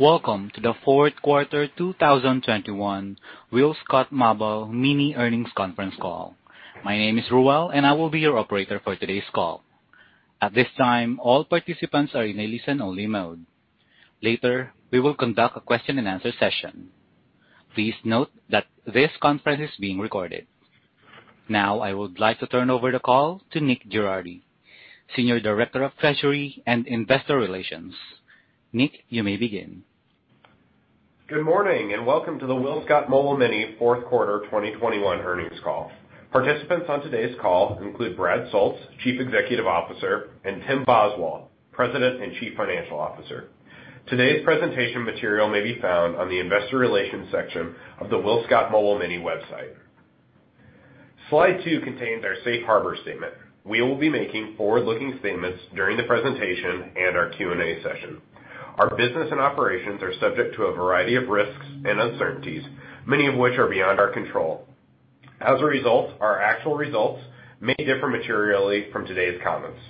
Welcome to the fourth quarter 2021 WillScot Mobile Mini earnings conference call. My name is Rowell, and I will be your operator for today's call. At this time, all participants are in a listen-only mode. Later, we will conduct a question-and-answer session. Please note that this conference is being recorded. Now I would like to turn over the call to Nick Girardi, Senior Director of Treasury and Investor Relations. Nick, you may begin. Good morning, and welcome to the WillScot Mobile Mini fourth quarter 2021 earnings call. Participants on today's call include Brad Soultz, Chief Executive Officer, and Tim Boswell, President and Chief Financial Officer. Today's presentation material may be found on the investor relations section of the WillScot Mobile Mini website. Slide two contains our safe harbor statement. We will be making forward-looking statements during the presentation and our Q&A session. Our business and operations are subject to a variety of risks and uncertainties, many of which are beyond our control. As a result, our actual results may differ materially from today's comments.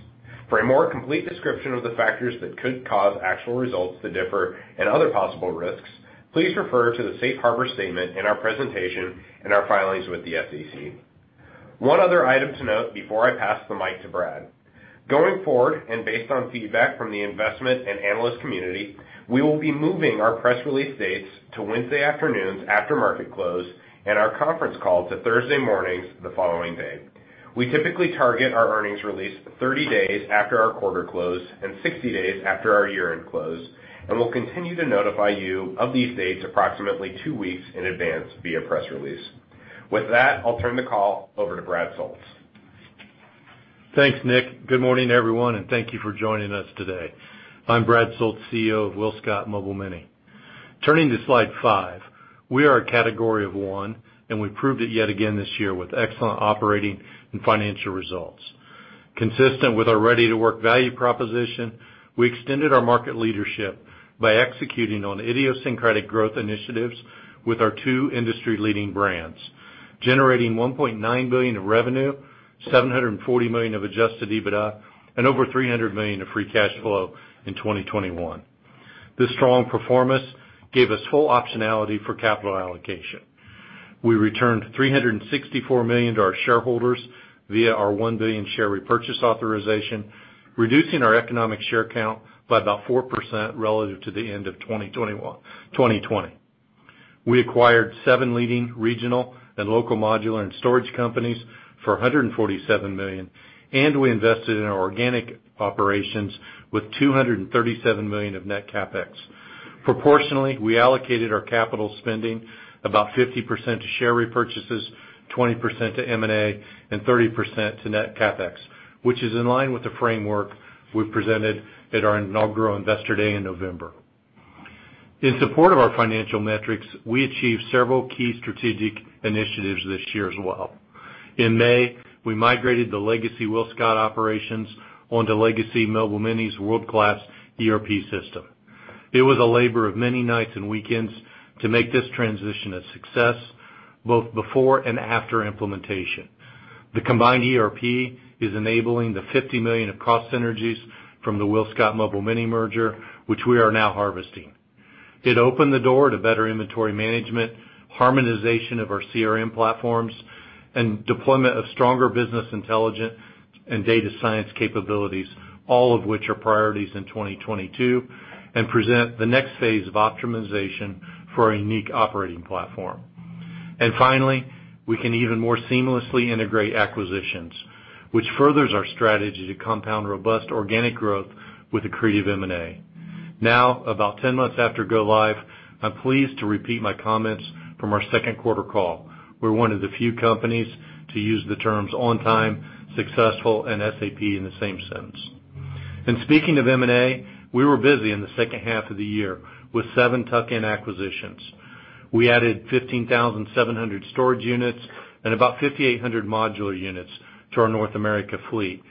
For a more complete description of the factors that could cause actual results to differ and other possible risks, please refer to the safe harbor statement in our presentation and our filings with the SEC. One other item to note before I pass the mic to Brad Soultz. Going forward, and based on feedback from the investment and analyst community, we will be moving our press release dates to Wednesday afternoons after market close and our conference call to Thursday mornings the following day. We typically target our earnings release 30 days after our quarter close and 60 days after our year-end close, and we'll continue to notify you of these dates approximately two weeks in advance via press release. With that, I'll turn the call over to Brad Soultz. Thanks, Nick. Good morning, everyone, and thank you for joining us today. I'm Brad Soultz, CEO of WillScot Mobile Mini. Turning to slide 5, we are a category of one, and we proved it yet again this year with excellent operating and financial results. Consistent with our ready-to-work value proposition, we extended our market leadership by executing on idiosyncratic growth initiatives with our two industry-leading brands, generating $1.9 billion of revenue, $740 million of adjusted EBITDA, and over $300 million of free cash flow in 2021. This strong performance gave us full optionality for capital allocation. We returned $364 million to our shareholders via our $1 billion share repurchase authorization, reducing our economic share count by about 4% relative to the end of 2020. We acquired seven leading regional and local modular and storage companies for $147 million, and we invested in our organic operations with $237 million of net CapEx. Proportionally, we allocated our capital spending about 50% to share repurchases, 20% to M&A, and 30% to net CapEx, which is in line with the framework we presented at our inaugural Investor Day in November. In support of our financial metrics, we achieved several key strategic initiatives this year as well. In May, we migrated the legacy WillScot operations onto legacy Mobile Mini's world-class ERP system. It was a labor of many nights and weekends to make this transition a success, both before and after implementation. The combined ERP is enabling the $50 million of cost synergies from the WillScot Mobile Mini merger, which we are now harvesting. It opened the door to better inventory management, harmonization of our CRM platforms, and deployment of stronger business intelligence and data science capabilities, all of which are priorities in 2022 and present the next phase of optimization for our unique operating platform. Finally, we can even more seamlessly integrate acquisitions, which furthers our strategy to compound robust organic growth with accretive M&A. Now, about 10 months after go live, I'm pleased to repeat my comments from our second quarter call. We're one of the few companies to use the terms on time, successful, and SAP in the same sentence. Speaking of M&A, we were busy in the second half of the year with seven tuck-in acquisitions. We added 15,700 storage units and about 5,800 modular units to our North America fleet,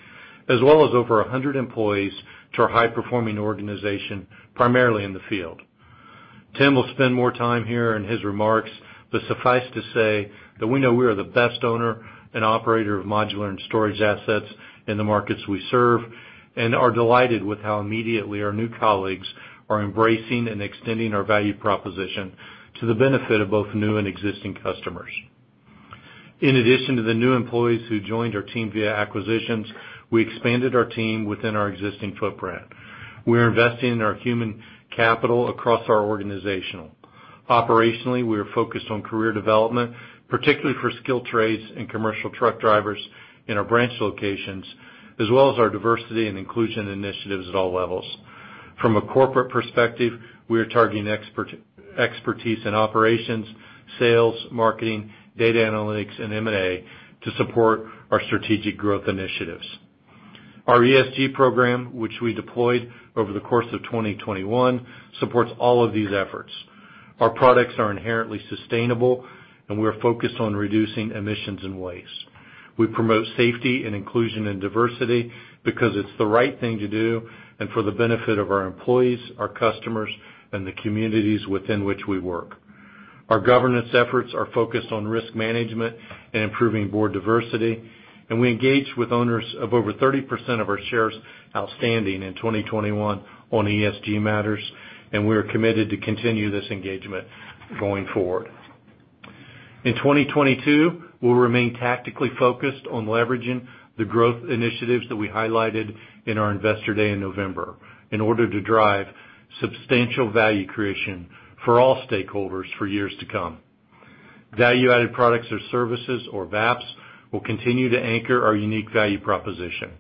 as well as over 100 employees to our high-performing organization, primarily in the field. Tim will spend more time here in his remarks, but suffice to say that we know we are the best owner and operator of modular and storage assets in the markets we serve and are delighted with how immediately our new colleagues are embracing and extending our value proposition to the benefit of both new and existing customers. In addition to the new employees who joined our team via acquisitions, we expanded our team within our existing footprint. We're investing in our human capital across our organizational. Operationally, we are focused on career development, particularly for skilled trades and commercial truck drivers in our branch locations, as well as our diversity and inclusion initiatives at all levels. From a corporate perspective, we are targeting expertise in operations, sales, marketing, data analytics, and M&A to support our strategic growth initiatives. Our ESG program, which we deployed over the course of 2021, supports all of these efforts. Our products are inherently sustainable, and we are focused on reducing emissions and waste. We promote safety and inclusion and diversity because it's the right thing to do and for the benefit of our employees, our customers, and the communities within which we work. Our governance efforts are focused on risk management and improving board diversity, and we engaged with owners of over 30% of our shares outstanding in 2021 on ESG matters, and we are committed to continue this engagement going forward. In 2022, we'll remain tactically focused on leveraging the growth initiatives that we highlighted in our Investor Day in November in order to drive substantial value creation for all stakeholders for years to come. Value-added products or services or VAPS will continue to anchor our unique value proposition.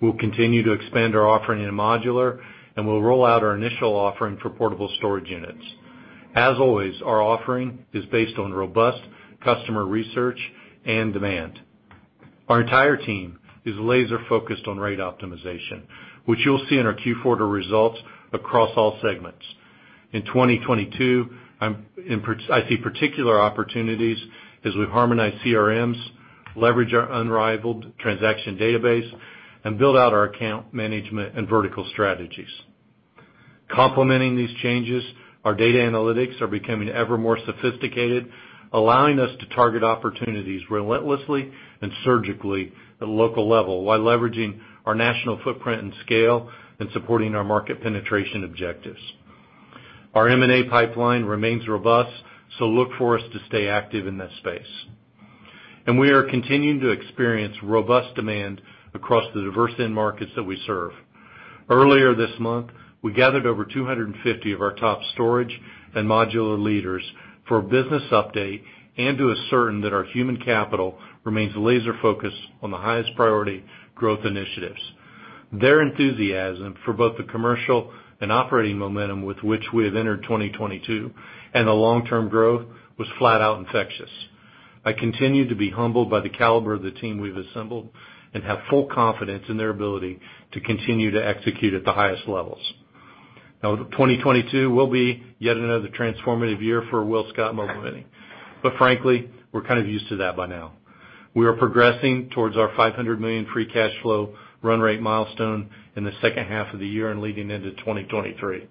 We'll continue to expand our offering in modular, and we'll roll out our initial offering for portable storage units. As always, our offering is based on robust customer research and demand. Our entire team is laser-focused on rate optimization, which you'll see in our Q4 results across all segments. In 2022, I see particular opportunities as we harmonize CRMs, leverage our unrivaled transaction database, and build out our account management and vertical strategies. Complementing these changes, our data analytics are becoming ever more sophisticated, allowing us to target opportunities relentlessly and surgically at a local level while leveraging our national footprint and scale and supporting our market penetration objectives. Our M&A pipeline remains robust, so look for us to stay active in that space. We are continuing to experience robust demand across the diverse end markets that we serve. Earlier this month, we gathered over 250 of our top storage and modular leaders for a business update and to ascertain that our human capital remains laser-focused on the highest priority growth initiatives. Their enthusiasm for both the commercial and operating momentum with which we have entered 2022 and the long-term growth was flat-out infectious. I continue to be humbled by the caliber of the team we've assembled and have full confidence in their ability to continue to execute at the highest levels. Now, 2022 will be yet another transformative year for WillScot Mobile Mini, but frankly, we're kind of used to that by now. We are progressing towards our $500 million free cash flow run rate milestone in the second half of the year and leading into 2023.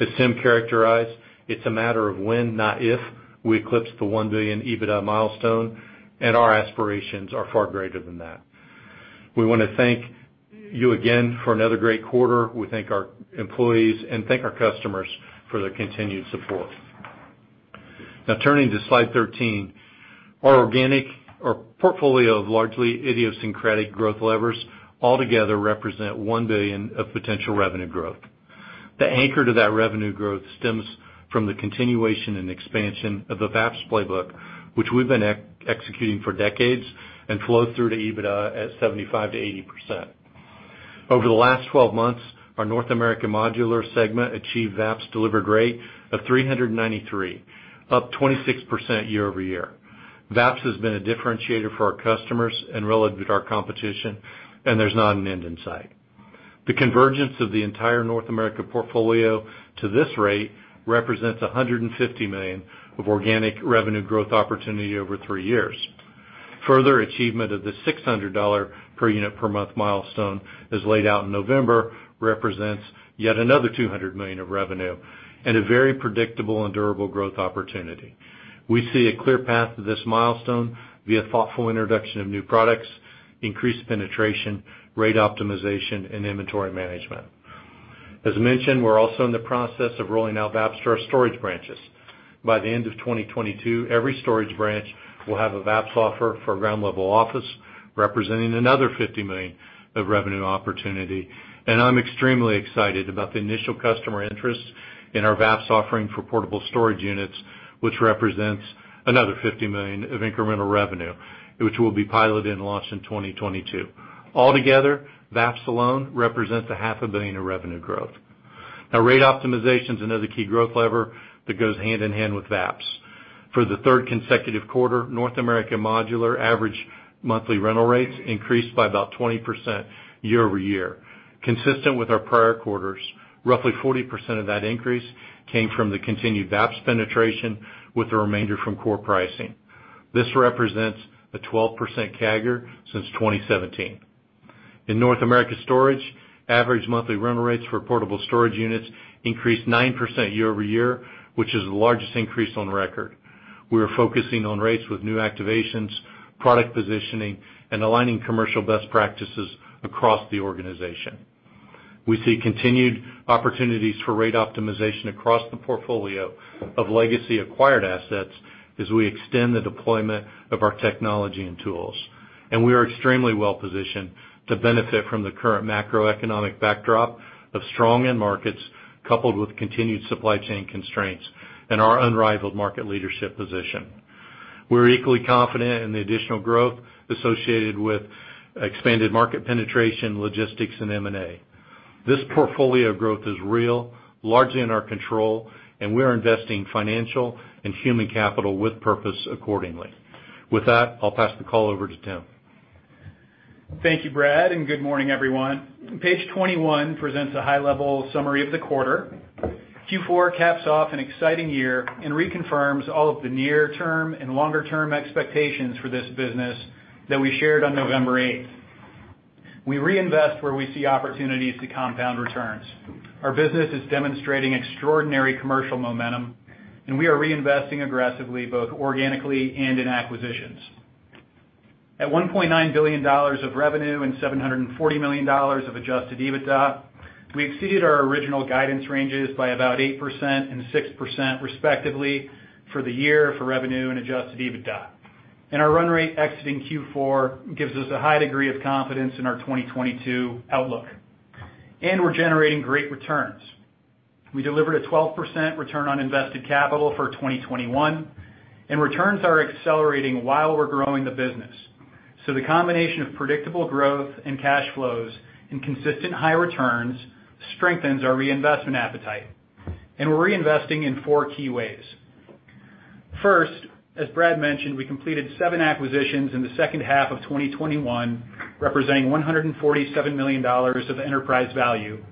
As Tim characterized, it's a matter of when, not if, we eclipse the $1 billion EBITDA milestone, and our aspirations are far greater than that. We wanna thank you again for another great quarter. We thank our employees and thank our customers for their continued support. Now turning to slide 13, our organic portfolio of largely idiosyncratic growth levers altogether represent $1 billion of potential revenue growth. The anchor to that revenue growth stems from the continuation and expansion of the VAPS playbook, which we've been executing for decades and flow through to EBITDA at 75%-80%. Over the last 12 months, our North American modular segment achieved VAPS delivered rate of 393, up 26% year-over-year. VAPS has been a differentiator for our customers and relative to our competition, and there's not an end in sight. The convergence of the entire North America portfolio to this rate represents $150 million of organic revenue growth opportunity over three years. Further achievement of the $600 per unit per month milestone, as laid out in November, represents yet another $200 million of revenue and a very predictable and durable growth opportunity. We see a clear path to this milestone via thoughtful introduction of new products, increased penetration, rate optimization, and inventory management. As mentioned, we're also in the process of rolling out VAPS to our storage branches. By the end of 2022, every storage branch will have a VAPS offer for ground level office, representing another $50 million of revenue opportunity. I'm extremely excited about the initial customer interest in our VAPS offering for portable storage units, which represents another $50 million of incremental revenue, which will be piloted and launched in 2022. Altogether, VAPS alone represents a half a billion in revenue growth. Rate optimization's another key growth lever that goes hand in hand with VAPS. For the third consecutive quarter, North America modular average monthly rental rates increased by about 20% year-over-year. Consistent with our prior quarters, roughly 40% of that increase came from the continued VAPS penetration with the remainder from core pricing. This represents a 12% CAGR since 2017. In North America storage, average monthly rental rates for portable storage units increased 9% year-over-year, which is the largest increase on record. We are focusing on rates with new activations, product positioning, and aligning commercial best practices across the organization. We see continued opportunities for rate optimization across the portfolio of legacy acquired assets as we extend the deployment of our technology and tools. We are extremely well positioned to benefit from the current macroeconomic backdrop of strong end markets coupled with continued supply chain constraints and our unrivaled market leadership position. We're equally confident in the additional growth associated with expanded market penetration, logistics, and M&A. This portfolio growth is real, largely in our control, and we are investing financial and human capital with purpose accordingly. With that, I'll pass the call over to Tim. Thank you, Brad, and good morning, everyone. Page 21 presents a high-level summary of the quarter. Q4 caps off an exciting year and reconfirms all of the near-term and longer-term expectations for this business that we shared on November 8. We reinvest where we see opportunities to compound returns. Our business is demonstrating extraordinary commercial momentum, and we are reinvesting aggressively, both organically and in acquisitions. At $1.9 billion of revenue and $740 million of adjusted EBITDA, we exceeded our original guidance ranges by about 8% and 6% respectively for the year for revenue and adjusted EBITDA. Our run rate exiting Q4 gives us a high degree of confidence in our 2022 outlook. We're generating great returns. We delivered a 12% return on invested capital for 2021, and returns are accelerating while we're growing the business. The combination of predictable growth and cash flows and consistent high returns strengthens our reinvestment appetite. We're reinvesting in four key ways. First, as Brad mentioned, we completed seven acquisitions in the second half of 2021, representing $147 million of enterprise value.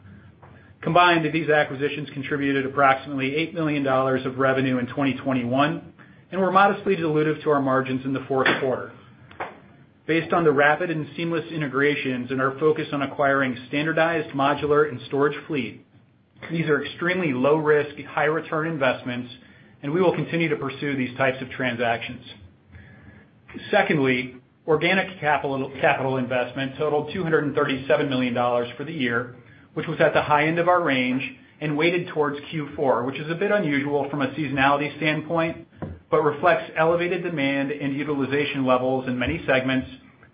Combined, these acquisitions contributed approximately $8 million of revenue in 2021, and were modestly dilutive to our margins in the fourth quarter. Based on the rapid and seamless integrations and our focus on acquiring standardized modular and storage fleet, these are extremely low-risk, high-return investments, and we will continue to pursue these types of transactions. Secondly, organic capital investment totaled $237 million for the year, which was at the high end of our range and weighted towards Q4, which is a bit unusual from a seasonality standpoint, but reflects elevated demand and utilization levels in many segments,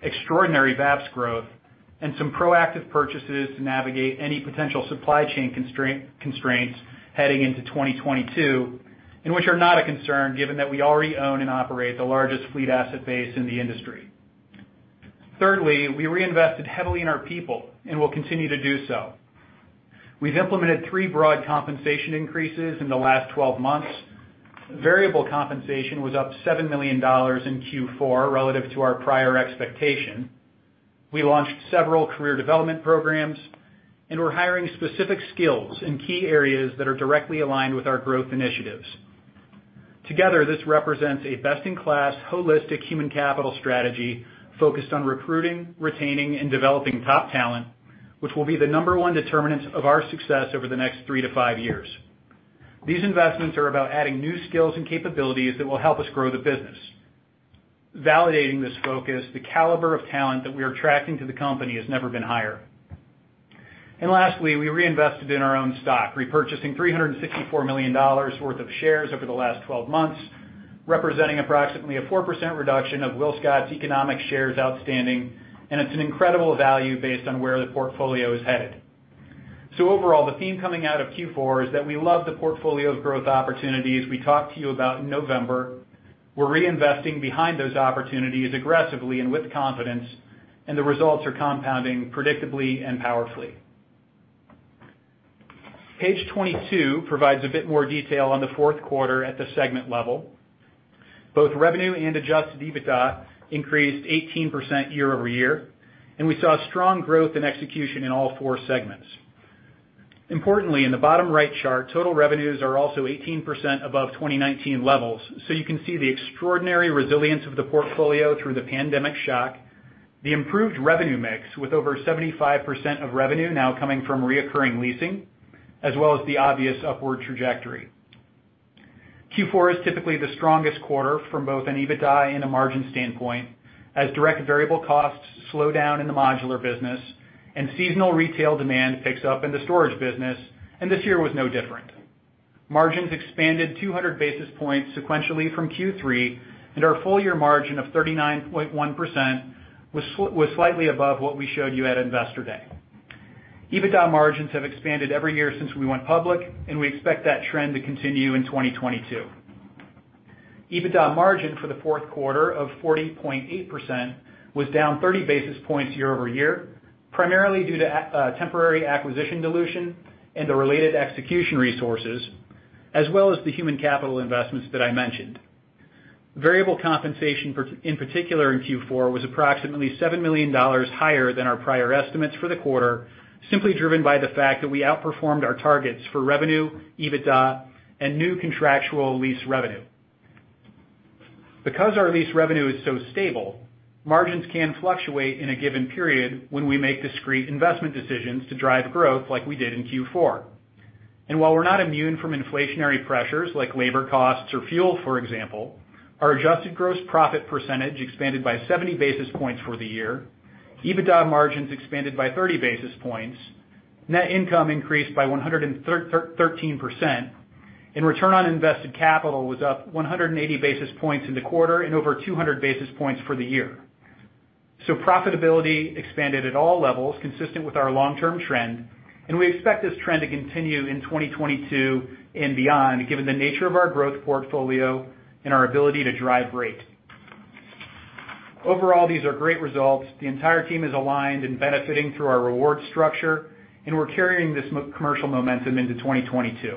extraordinary VAPS growth, and some proactive purchases to navigate any potential supply chain constraints heading into 2022, and which are not a concern given that we already own and operate the largest fleet asset base in the industry. Thirdly, we reinvested heavily in our people and will continue to do so. We've implemented three broad compensation increases in the last twelve months. Variable compensation was up $7 million in Q4 relative to our prior expectation. We launched several career development programs, and we're hiring specific skills in key areas that are directly aligned with our growth initiatives. Together, this represents a best-in-class, holistic human capital strategy focused on recruiting, retaining, and developing top talent, which will be the number one determinant of our success over the next three to five years. These investments are about adding new skills and capabilities that will help us grow the business. Validating this focus, the caliber of talent that we are attracting to the company has never been higher. Lastly, we reinvested in our own stock, repurchasing $364 million worth of shares over the last 12 months, representing approximately a 4% reduction of WillScot's economic shares outstanding, and it's an incredible value based on where the portfolio is headed. Overall, the theme coming out of Q4 is that we love the portfolio's growth opportunities we talked to you about in November. We're reinvesting behind those opportunities aggressively and with confidence, and the results are compounding predictably and powerfully. Page 22 provides a bit more detail on the fourth quarter at the segment level. Both revenue and adjusted EBITDA increased 18% year-over-year, and we saw strong growth and execution in all four segments. Importantly, in the bottom right chart, total revenues are also 18% above 2019 levels, so you can see the extraordinary resilience of the portfolio through the pandemic shock, the improved revenue mix with over 75% of revenue now coming from recurring leasing, as well as the obvious upward trajectory. Q4 is typically the strongest quarter from both an EBITDA and a margin standpoint, as direct variable costs slow down in the modular business and seasonal retail demand picks up in the storage business, and this year was no different. Margins expanded 200 basis points sequentially from Q3, and our full year margin of 39.1% was slightly above what we showed you at Investor Day. EBITDA margins have expanded every year since we went public, and we expect that trend to continue in 2022. EBITDA margin for the fourth quarter of 40.8% was down 30 basis points year over year, primarily due to a temporary acquisition dilution and the related execution resources, as well as the human capital investments that I mentioned. Variable compensation in particular in Q4 was approximately $7 million higher than our prior estimates for the quarter, simply driven by the fact that we outperformed our targets for revenue, EBITDA, and new contractual lease revenue. Because our lease revenue is so stable, margins can fluctuate in a given period when we make discrete investment decisions to drive growth like we did in Q4. While we're not immune from inflationary pressures like labor costs or fuel, for example, our adjusted gross profit percentage expanded by 70 basis points for the year. EBITDA margins expanded by 30 basis points. Net income increased by 113%. Return on invested capital was up 180 basis points in the quarter and over 200 basis points for the year. Profitability expanded at all levels, consistent with our long-term trend, and we expect this trend to continue in 2022 and beyond, given the nature of our growth portfolio and our ability to drive rate. Overall, these are great results. The entire team is aligned and benefiting through our reward structure, and we're carrying this commercial momentum into 2022.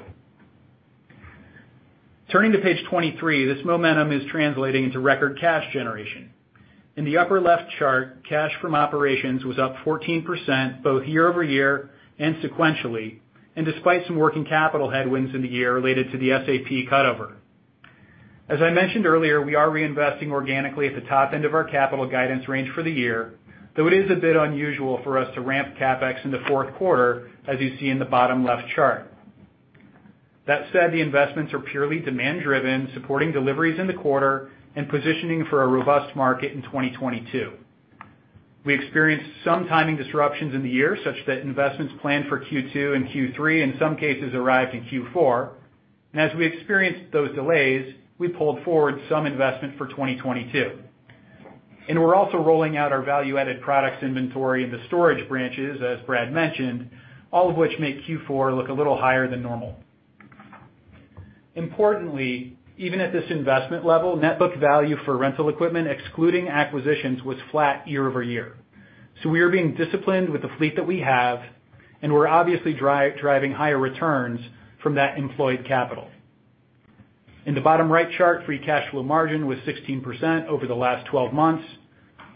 Turning to page 23, this momentum is translating into record cash generation. In the upper left chart, cash from operations was up 14% both year-over-year and sequentially, and despite some working capital headwinds in the year related to the SAP cutover. As I mentioned earlier, we are reinvesting organically at the top end of our capital guidance range for the year, though it is a bit unusual for us to ramp CapEx in the fourth quarter, as you see in the bottom left chart. That said, the investments are purely demand-driven, supporting deliveries in the quarter and positioning for a robust market in 2022. We experienced some timing disruptions in the year such that investments planned for Q2 and Q3 in some cases arrived in Q4. As we experienced those delays, we pulled forward some investment for 2022. We're also rolling out our value-added products inventory in the storage branches, as Brad mentioned, all of which make Q4 look a little higher than normal. Importantly, even at this investment level, net book value for rental equipment, excluding acquisitions, was flat year-over-year. We are being disciplined with the fleet that we have, and we're obviously driving higher returns from that employed capital. In the bottom right chart, free cash flow margin was 16% over the last twelve months.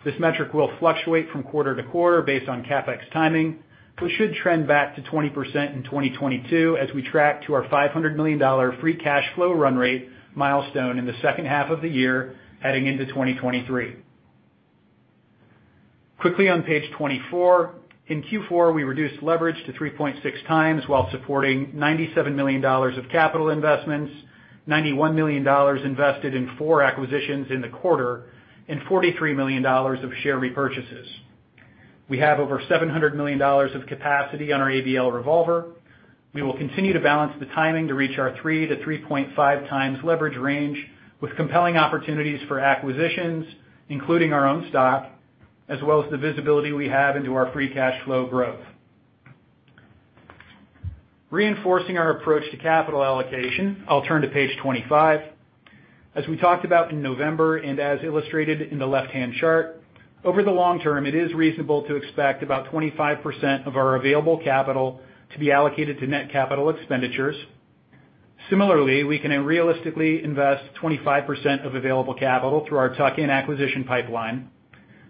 This metric will fluctuate from quarter to quarter based on CapEx timing, but should trend back to 20% in 2022 as we track to our $500 million free cash flow run rate milestone in the second half of the year, heading into 2023. Quickly on page 24. In Q4, we reduced leverage to 3.6 times while supporting $97 million of capital investments, $91 million invested in 4 acquisitions in the quarter, and $43 million of share repurchases. We have over $700 million of capacity on our ABL revolver. We will continue to balance the timing to reach our 3-3.5 times leverage range with compelling opportunities for acquisitions, including our own stock, as well as the visibility we have into our free cash flow growth. Reinforcing our approach to capital allocation, I'll turn to page 25. As we talked about in November, and as illustrated in the left-hand chart, over the long term, it is reasonable to expect about 25% of our available capital to be allocated to net capital expenditures. Similarly, we can realistically invest 25% of available capital through our tuck-in acquisition pipeline.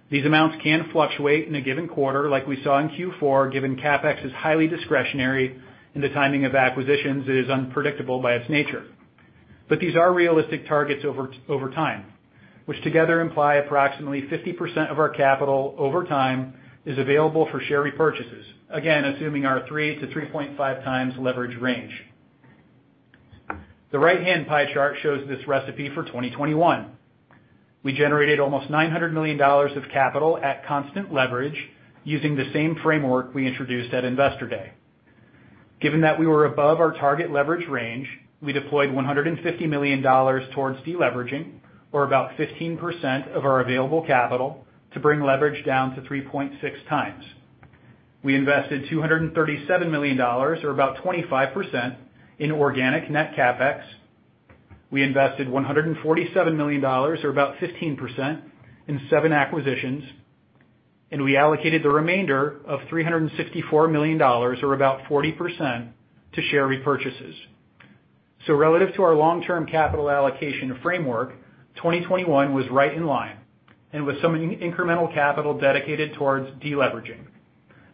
These amounts can fluctuate in a given quarter like we saw in Q4, given CapEx is highly discretionary and the timing of acquisitions is unpredictable by its nature. These are realistic targets over time, which together imply approximately 50% of our capital over time is available for share repurchases. Again, assuming our 3-3.5x leverage range. The right-hand pie chart shows this recipe for 2021. We generated almost $900 million of capital at constant leverage using the same framework we introduced at Investor Day. Given that we were above our target leverage range, we deployed $150 million towards deleveraging or about 15% of our available capital to bring leverage down to 3.6x. We invested $237 million or about 25% in organic net CapEx. We invested $147 million or about 15% in seven acquisitions, and we allocated the remainder of $364 million or about 40% to share repurchases. Relative to our long-term capital allocation framework, 2021 was right in line and with some incremental capital dedicated towards deleveraging.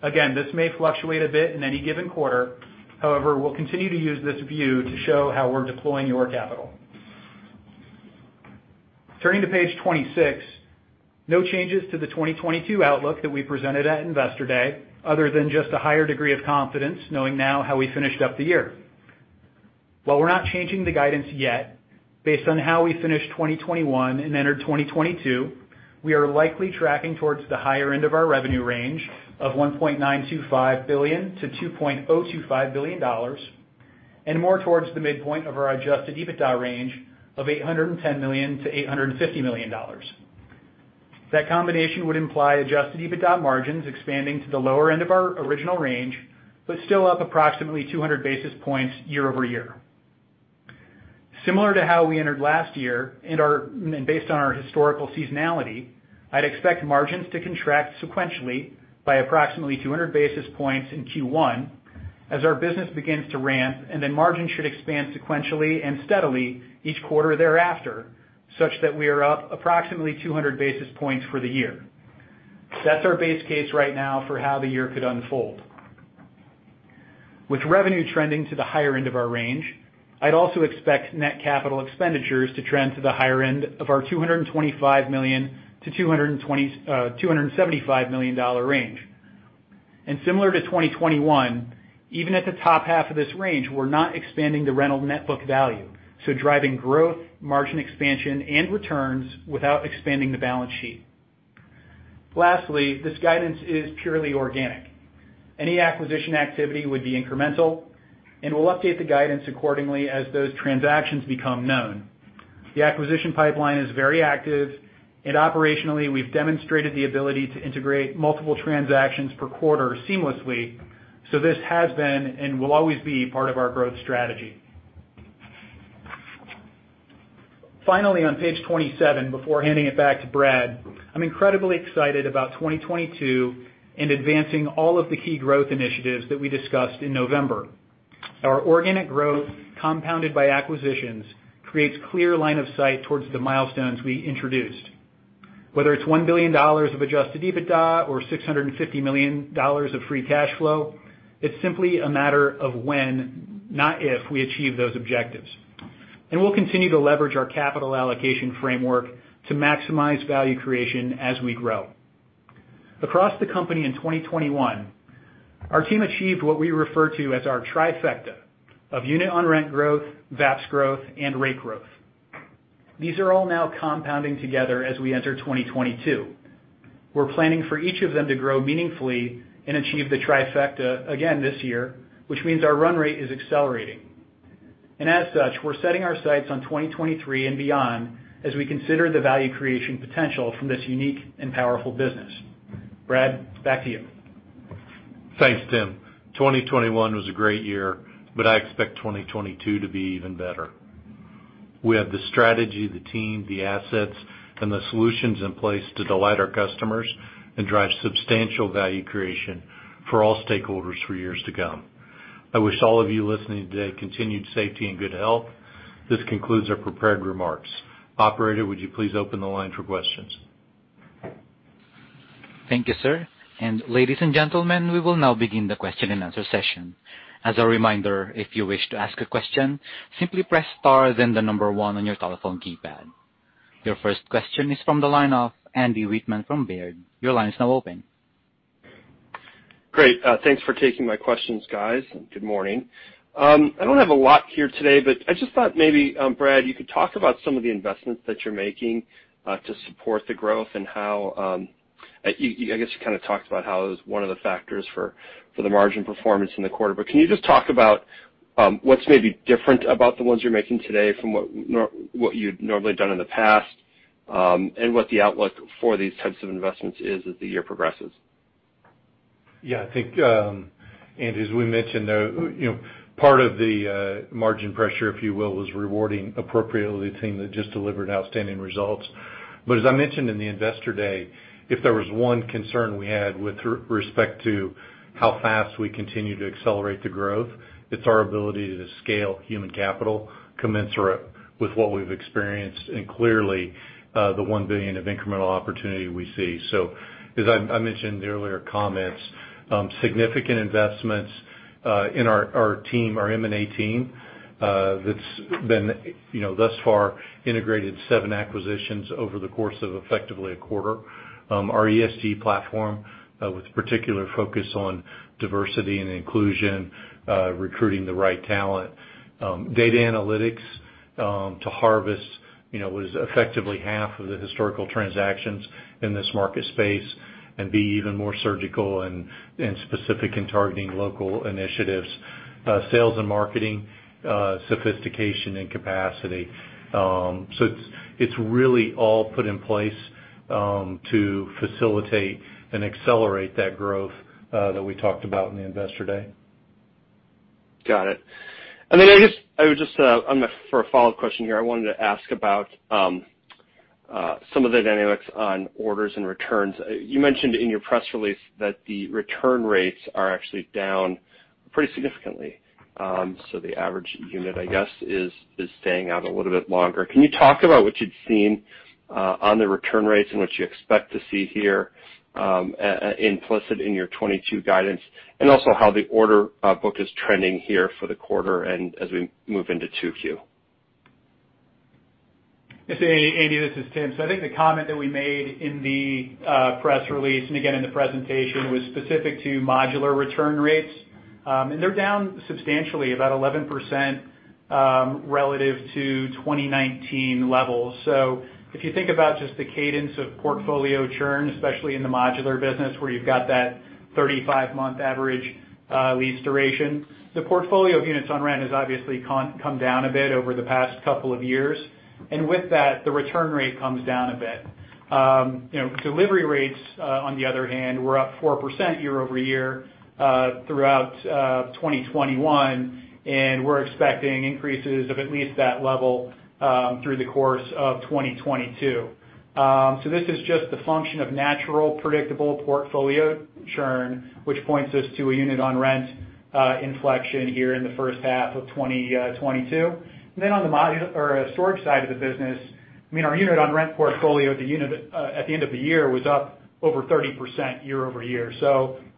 Again, this may fluctuate a bit in any given quarter. However, we'll continue to use this view to show how we're deploying your capital. Turning to page 26, no changes to the 2022 outlook that we presented at Investor Day other than just a higher degree of confidence knowing now how we finished up the year. While we're not changing the guidance yet, based on how we finished 2021 and entered 2022, we are likely tracking towards the higher end of our revenue range of $1.925 billion-$2.025 billion, and more towards the midpoint of our adjusted EBITDA range of $810 million-$850 million. That combination would imply adjusted EBITDA margins expanding to the lower end of our original range, but still up approximately 200 basis points year over year. Similar to how we entered last year and based on our historical seasonality, I'd expect margins to contract sequentially by approximately 200 basis points in Q1 as our business begins to ramp, and then margins should expand sequentially and steadily each quarter thereafter, such that we are up approximately 200 basis points for the year. That's our base case right now for how the year could unfold. With revenue trending to the higher end of our range, I'd also expect net capital expenditures to trend to the higher end of our $225 million-$275 million range. Similar to 2021, even at the top half of this range, we're not expanding the rental net book value, so driving growth, margin expansion, and returns without expanding the balance sheet. Lastly, this guidance is purely organic. Any acquisition activity would be incremental, and we'll update the guidance accordingly as those transactions become known. The acquisition pipeline is very active, and operationally, we've demonstrated the ability to integrate multiple transactions per quarter seamlessly, so this has been and will always be part of our growth strategy. Finally, on page 27, before handing it back to Brad, I'm incredibly excited about 2022 and advancing all of the key growth initiatives that we discussed in November. Our organic growth compounded by acquisitions creates clear line of sight towards the milestones we introduced. Whether it's $1 billion of adjusted EBITDA or $650 million of free cash flow, it's simply a matter of when, not if we achieve those objectives. We'll continue to leverage our capital allocation framework to maximize value creation as we grow. Across the company in 2021, our team achieved what we refer to as our trifecta of unit on rent growth, VAPS growth, and rate growth. These are all now compounding together as we enter 2022. We're planning for each of them to grow meaningfully and achieve the trifecta again this year, which means our run rate is accelerating. As such, we're setting our sights on 2023 and beyond as we consider the value creation potential from this unique and powerful business. Brad, back to you. Thanks, Tim. 2021 was a great year, but I expect 2022 to be even better. We have the strategy, the team, the assets, and the solutions in place to delight our customers and drive substantial value creation for all stakeholders for years to come. I wish all of you listening today continued safety and good health. This concludes our prepared remarks. Operator, would you please open the line for questions? Thank you, sir. Ladies and gentlemen, we will now begin the question and answer session. As a reminder, if you wish to ask a question, simply press star then the number one on your telephone keypad. Your first question is from the line of Andy Wittmann from Baird. Your line is now open. Great. Thanks for taking my questions, guys. Good morning. I don't have a lot here today, but I just thought maybe, Brad, you could talk about some of the investments that you're making to support the growth and how I guess you kinda talked about how it was one of the factors for the margin performance in the quarter. Can you just talk about what's maybe different about the ones you're making today from what you'd normally done in the past, and what the outlook for these types of investments is as the year progresses? Yeah, I think, as we mentioned, you know, part of the margin pressure, if you will, was rewarding appropriately the team that just delivered outstanding results. As I mentioned in the Investor Day, if there was one concern we had with respect to how fast we continue to accelerate the growth, it's our ability to scale human capital commensurate with what we've experienced, and clearly, the $1 billion of incremental opportunity we see. As I mentioned in the earlier comments, significant investments in our team, our M&A team, that's been, you know, thus far integrated seven acquisitions over the course of effectively a quarter. Our ESG platform, with particular focus on diversity and inclusion, recruiting the right talent. Data analytics to harvest, you know, what is effectively half of the historical transactions in this market space and be even more surgical and specific in targeting local initiatives. Sales and marketing sophistication and capacity. It's really all put in place to facilitate and accelerate that growth that we talked about in the Investor Day. Got it. I would just for a follow-up question here. I wanted to ask about some of the dynamics on orders and returns. You mentioned in your press release that the return rates are actually down pretty significantly. The average unit, I guess, is staying out a little bit longer. Can you talk about what you'd seen on the return rates and what you expect to see here, implicit in your 2022 guidance, and also how the order book is trending here for the quarter and as we move into 2Q? Yes, Andy, this is Tim. I think the comment that we made in the press release, and again in the presentation, was specific to modular return rates. They're down substantially, about 11%, relative to 2019 levels. If you think about just the cadence of portfolio churn, especially in the modular business, where you've got that 35-month average lease duration, the portfolio of units on rent has obviously come down a bit over the past couple of years. And with that, the return rate comes down a bit. You know, delivery rates on the other hand were up 4% year-over-year throughout 2021, and we're expecting increases of at least that level through the course of 2022. This is just the function of natural, predictable portfolio churn, which points us to a unit-on-rent inflection here in the first half of 2022. On the storage side of the business, I mean, our unit-on-rent portfolio at the end of the year was up over 30% year-over-year.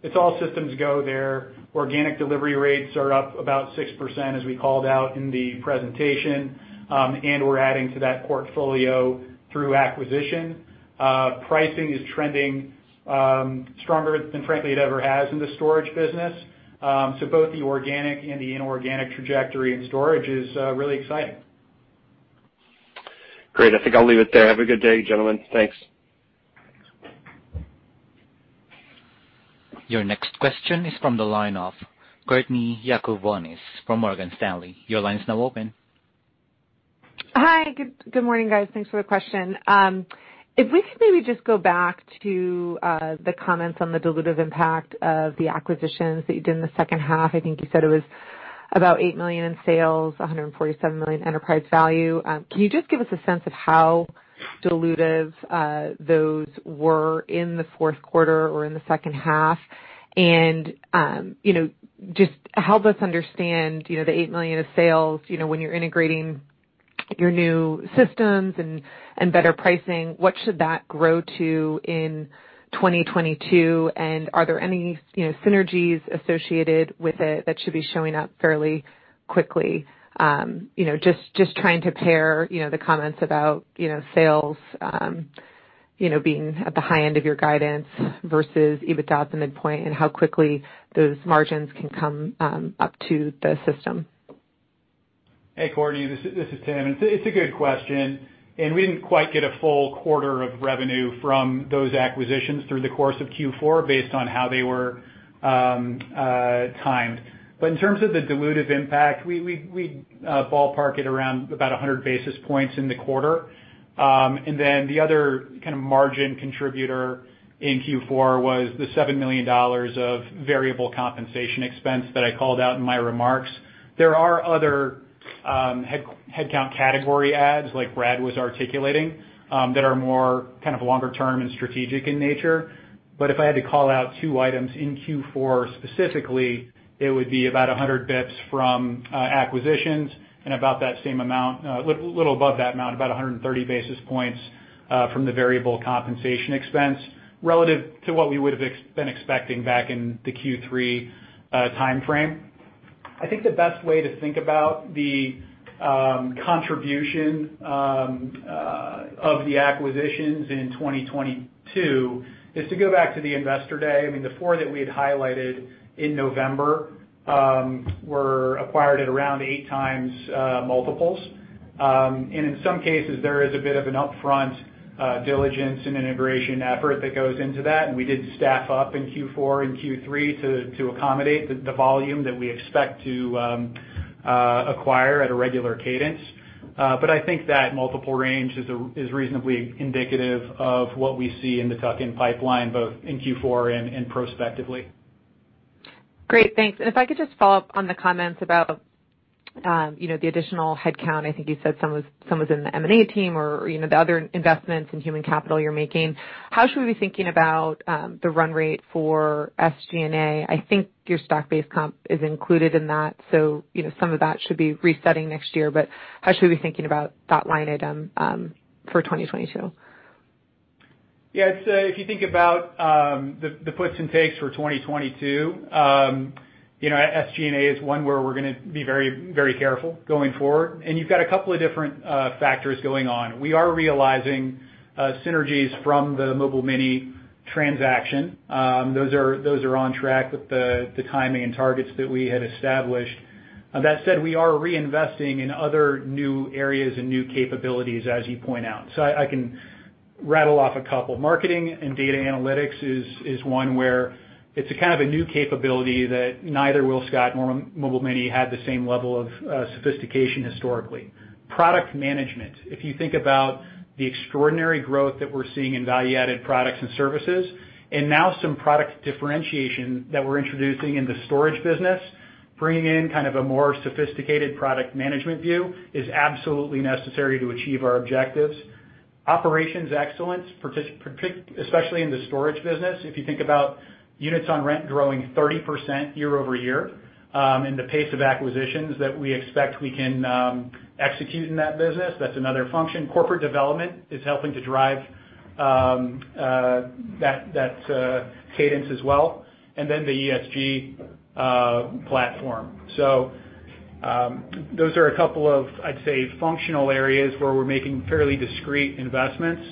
It's all systems go there. Organic delivery rates are up about 6%, as we called out in the presentation, and we're adding to that portfolio through acquisition. Pricing is trending stronger than frankly it ever has in the storage business. Both the organic and the inorganic trajectory in storage is really exciting. Great. I think I'll leave it there. Have a good day, gentlemen. Thanks. Your next question is from the line of Courtney Yakavonis from Morgan Stanley. Your line is now open. Hi. Good morning, guys. Thanks for the question. If we could maybe just go back to the comments on the dilutive impact of the acquisitions that you did in the second half. I think you said it was about $8 million in sales, $147 million enterprise value. Can you just give us a sense of how dilutive those were in the fourth quarter or in the second half? You know, just help us understand, you know, the $8 million of sales, you know, when you're integrating your new systems and better pricing, what should that grow to in 2022? Are there any, you know, synergies associated with it that should be showing up fairly quickly? You know, just trying to pair, you know, the comments about, you know, sales, you know, being at the high end of your guidance versus EBITDA at the midpoint and how quickly those margins can come up to the system. Hey, Courtney, this is Tim. It's a good question. We didn't quite get a full quarter of revenue from those acquisitions through the course of Q4 based on how they were timed. In terms of the dilutive impact, we ballpark it around about 100 basis points in the quarter. Then the other kind of margin contributor in Q4 was the $7 million of variable compensation expense that I called out in my remarks. There are other headcount category adds, like Brad was articulating, that are more kind of longer term and strategic in nature. If I had to call out two items in Q4 specifically, it would be about 100 basis points from acquisitions and about that same amount, little above that amount, about 130 basis points from the variable compensation expense relative to what we would've been expecting back in the Q3 timeframe. I think the best way to think about the contribution of the acquisitions in 2022 is to go back to the Investor Day. I mean, the four that we had highlighted in November were acquired at around 8x multiples. In some cases, there is a bit of an upfront diligence and integration effort that goes into that, and we did staff up in Q4 and Q3 to accommodate the volume that we expect to acquire at a regular cadence. I think that multiple range is reasonably indicative of what we see in the tuck-in pipeline, both in Q4 and prospectively. Great. Thanks. If I could just follow up on the comments about, you know, the additional headcount. I think you said some was in the M&A team or, you know, the other investments in human capital you're making. How should we be thinking about the run rate for SG&A? I think your stock-based comp is included in that, so, you know, some of that should be resetting next year. But how should we be thinking about that line item for 2022? Yeah. It's if you think about the puts and takes for 2022, you know, SG&A is one where we're gonna be very, very careful going forward, and you've got a couple of different factors going on. We are realizing synergies from the Mobile Mini transaction. Those are on track with the timing and targets that we had established. That said, we are reinvesting in other new areas and new capabilities as you point out. I can rattle off a couple. Marketing and data analytics is one where it's a kind of a new capability that neither WillScot nor Mobile Mini had the same level of sophistication historically. Product management, if you think about the extraordinary growth that we're seeing in value-added products and services, and now some product differentiation that we're introducing in the storage business, bringing in kind of a more sophisticated product management view is absolutely necessary to achieve our objectives. Operations excellence, particularly, especially in the storage business, if you think about units on rent growing 30% year-over-year, and the pace of acquisitions that we expect we can execute in that business, that's another function. Corporate development is helping to drive that cadence as well, and then the ESG platform. Those are a couple of, I'd say, functional areas where we're making fairly discrete investments.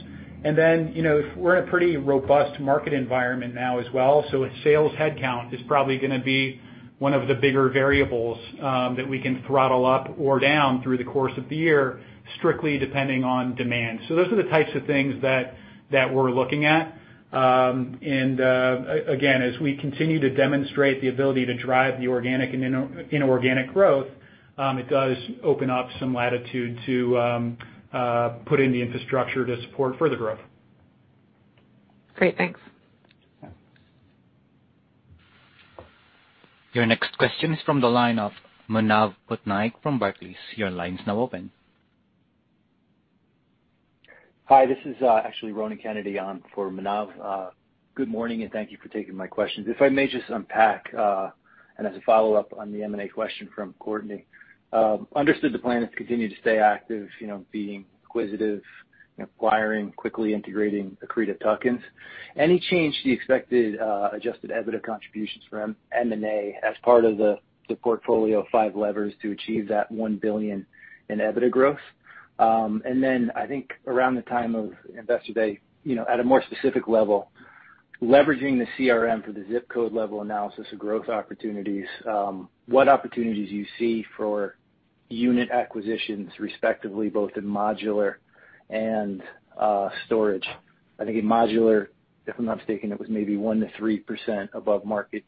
you know, we're in a pretty robust market environment now as well, so its sales headcount is probably gonna be one of the bigger variables that we can throttle up or down through the course of the year, strictly depending on demand. Those are the types of things that we're looking at. Again, as we continue to demonstrate the ability to drive the organic and inorganic growth, it does open up some latitude to put in the infrastructure to support further growth. Great. Thanks. Yeah. Your next question is from the line of Manav Patnaik from Barclays. Your line's now open. Hi, this is actually Ronan Kennedy on for Manav. Good morning, and thank you for taking my questions. If I may just unpack and as a follow-up on the M&A question from Courtney, understood the plan is to continue to stay active, you know, being acquisitive, acquiring, quickly integrating accretive tuck-ins. Any change to the expected adjusted EBITDA contributions from M&A as part of the portfolio of five levers to achieve that $1 billion in EBITDA growth? I think around the time of Investor Day, you know, at a more specific level, leveraging the CRM for the zip code level analysis of growth opportunities, what opportunities do you see for unit acquisitions, respectively, both in modular and storage? I think in modular, if I'm not mistaken, it was maybe 1%-3% above market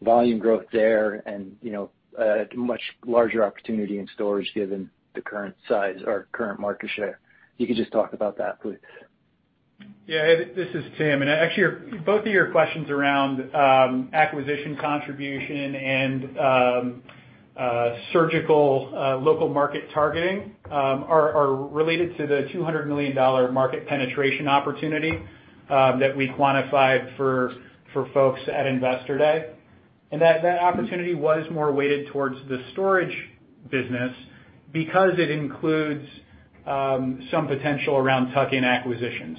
volume growth there and, you know, much larger opportunity in storage given the current size or current market share. If you could just talk about that, please. Yeah. This is Tim, and actually both of your questions around acquisition contribution and surgical local market targeting are related to the $200 million market penetration opportunity that we quantified for folks at Investor Day. That opportunity was more weighted towards the storage business because it includes some potential around tuck-in acquisitions.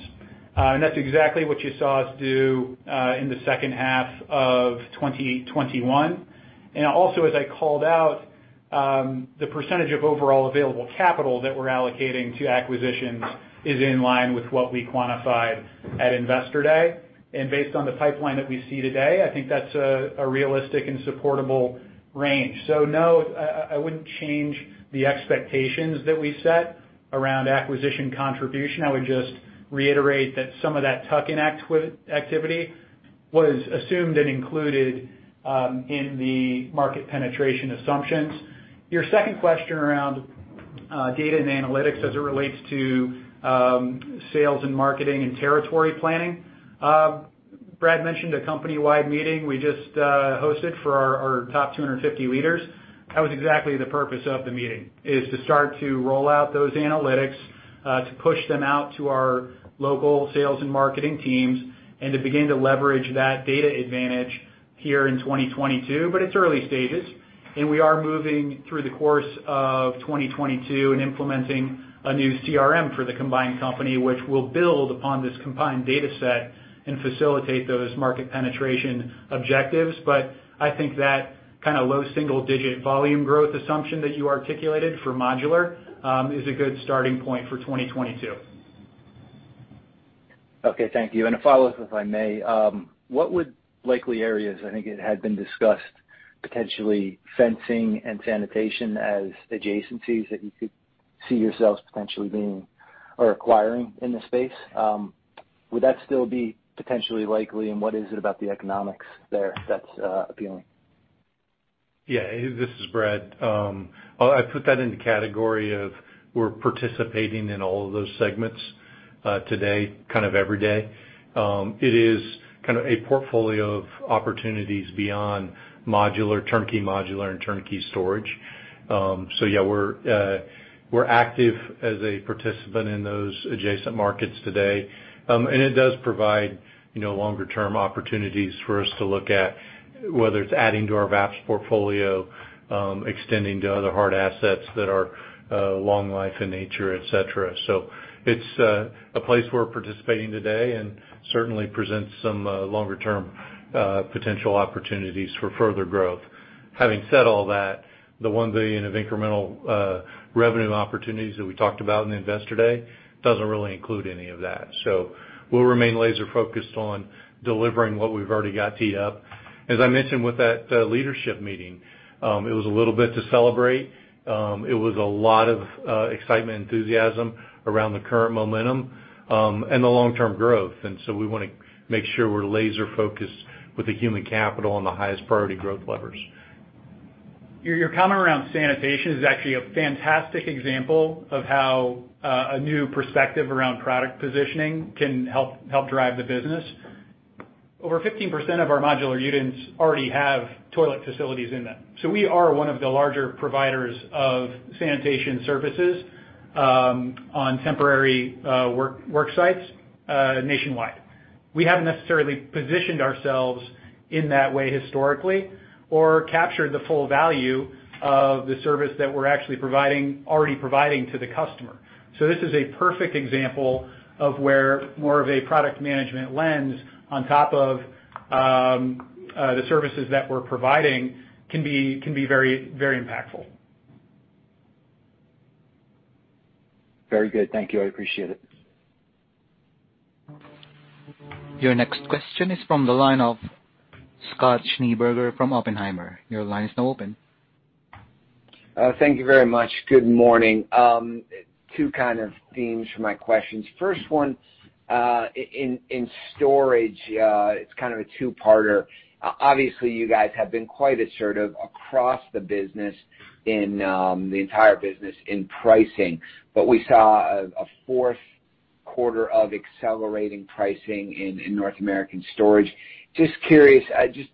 That's exactly what you saw us do in the second half of 2021. Also, as I called out, the percentage of overall available capital that we're allocating to acquisitions is in line with what we quantified at Investor Day. Based on the pipeline that we see today, I think that's a realistic and supportable range. No, I wouldn't change the expectations that we set around acquisition contribution. I would just reiterate that some of that tuck-in activity was assumed and included in the market penetration assumptions. Your second question around data and analytics as it relates to sales and marketing and territory planning. Brad mentioned a company-wide meeting we just hosted for our top 250 leaders. That was exactly the purpose of the meeting, is to start to roll out those analytics to push them out to our local sales and marketing teams, and to begin to leverage that data advantage here in 2022, but it's early stages. We are moving through the course of 2022 and implementing a new CRM for the combined company, which will build upon this combined data set and facilitate those market penetration objectives. I think that kind of low single-digit volume growth assumption that you articulated for modular is a good starting point for 2022. Okay, thank you. A follow-up, if I may. What are likely areas, I think it had been discussed, potentially fencing and sanitation as adjacencies that you could see yourselves potentially being or acquiring in the space, would that still be potentially likely? What is it about the economics there that's appealing? Yeah, this is Brad. I put that in the category of we're participating in all of those segments today, kind of every day. It is kind of a portfolio of opportunities beyond modular, turnkey modular and turnkey storage. Yeah, we're active as a participant in those adjacent markets today. It does provide, you know, longer term opportunities for us to look at whether it's adding to our VAPS portfolio, extending to other hard assets that are long life in nature, et cetera. It's a place we're participating today and certainly presents some longer term potential opportunities for further growth. Having said all that, the $1 billion of incremental revenue opportunities that we talked about in Investor Day doesn't really include any of that. We'll remain laser focused on delivering what we've already got teed up. As I mentioned with that, leadership meeting, it was a little bit to celebrate. It was a lot of excitement, enthusiasm around the current momentum, and the long-term growth. We wanna make sure we're laser focused with the human capital and the highest priority growth levers. Your comment around sanitation is actually a fantastic example of how a new perspective around product positioning can help drive the business. Over 15% of our modular units already have toilet facilities in them, so we are one of the larger providers of sanitation services on temporary work sites nationwide. We haven't necessarily positioned ourselves in that way historically or captured the full value of the service that we're actually providing already to the customer. This is a perfect example of where more of a product management lens on top of the services that we're providing can be very impactful. Very good. Thank you. I appreciate it. Your next question is from the line of Scott Schneeberger from Oppenheimer. Your line is now open. Thank you very much. Good morning. Two kind of themes for my questions. First one, in storage, it's kind of a two-parter. Obviously, you guys have been quite assertive across the business in the entire business in pricing, but we saw a fourth quarter of accelerating pricing in North American storage. Just curious, just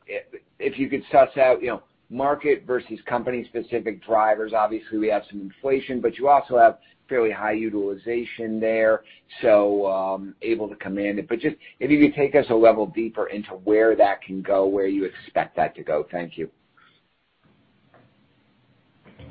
if you could suss out, you know, market versus company specific drivers. Obviously, we have some inflation, but you also have fairly high utilization there, so able to command it. But just if you could take us a level deeper into where that can go, where you expect that to go. Thank you.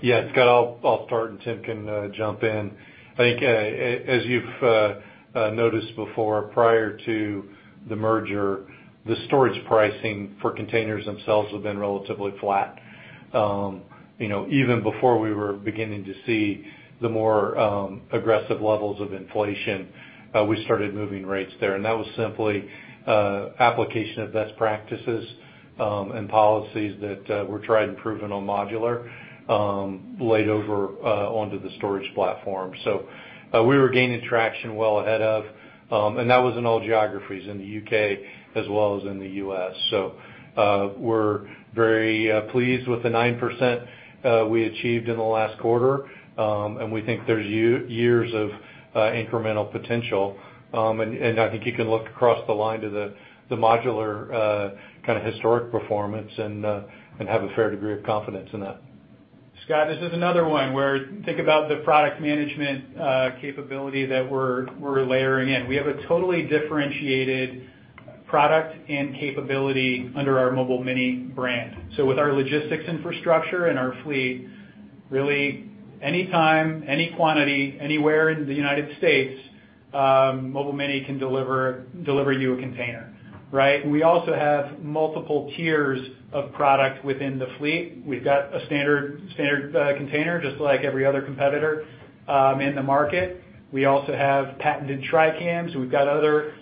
Yeah, Scott, I'll start, and Tim can jump in. I think, as you've noticed before, prior to the merger, the storage pricing for containers themselves have been relatively flat. You know, even before we were beginning to see the more aggressive levels of inflation, we started moving rates there. That was simply application of best practices and policies that were tried and proven on modular layered over onto the storage platform. We were gaining traction well ahead of, and that was in all geographies in the U.K. as well as in the U.S. We're very pleased with the 9% we achieved in the last quarter. We think there's years of incremental potential. I think you can look across the line to the modular kind of historic performance and have a fair degree of confidence in that. Scott, this is another one where we think about the product management capability that we're layering in. We have a totally differentiated product and capability under our Mobile Mini brand. With our logistics infrastructure and our fleet, really any time, any quantity, anywhere in the United States, Mobile Mini can deliver you a container, right? We also have multiple tiers of product within the fleet. We've got a standard container, just like every other competitor in the market. We also have patented Tri-Cams. We've got other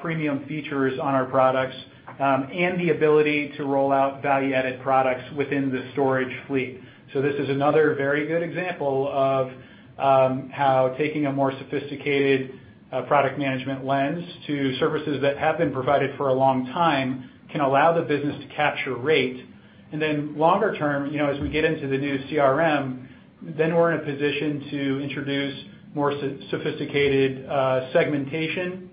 premium features on our products and the ability to roll out value-added products within the storage fleet. This is another very good example of how taking a more sophisticated product management lens to services that have been provided for a long time can allow the business to capture rate. Longer term, you know, as we get into the new CRM, then we're in a position to introduce more sophisticated segmentation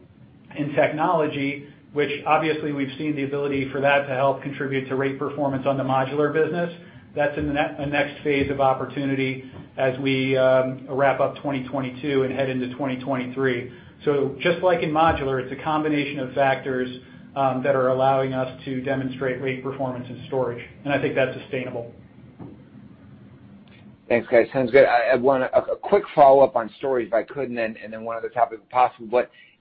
and technology, which obviously we've seen the ability for that to help contribute to rate performance on the modular business. That's in the next phase of opportunity as we wrap up 2022 and head into 2023. Just like in modular, it's a combination of factors that are allowing us to demonstrate rate performance and storage, and I think that's sustainable. Thanks, guys. Sounds good. I want a quick follow-up on storage if I could, and then one other topic if possible.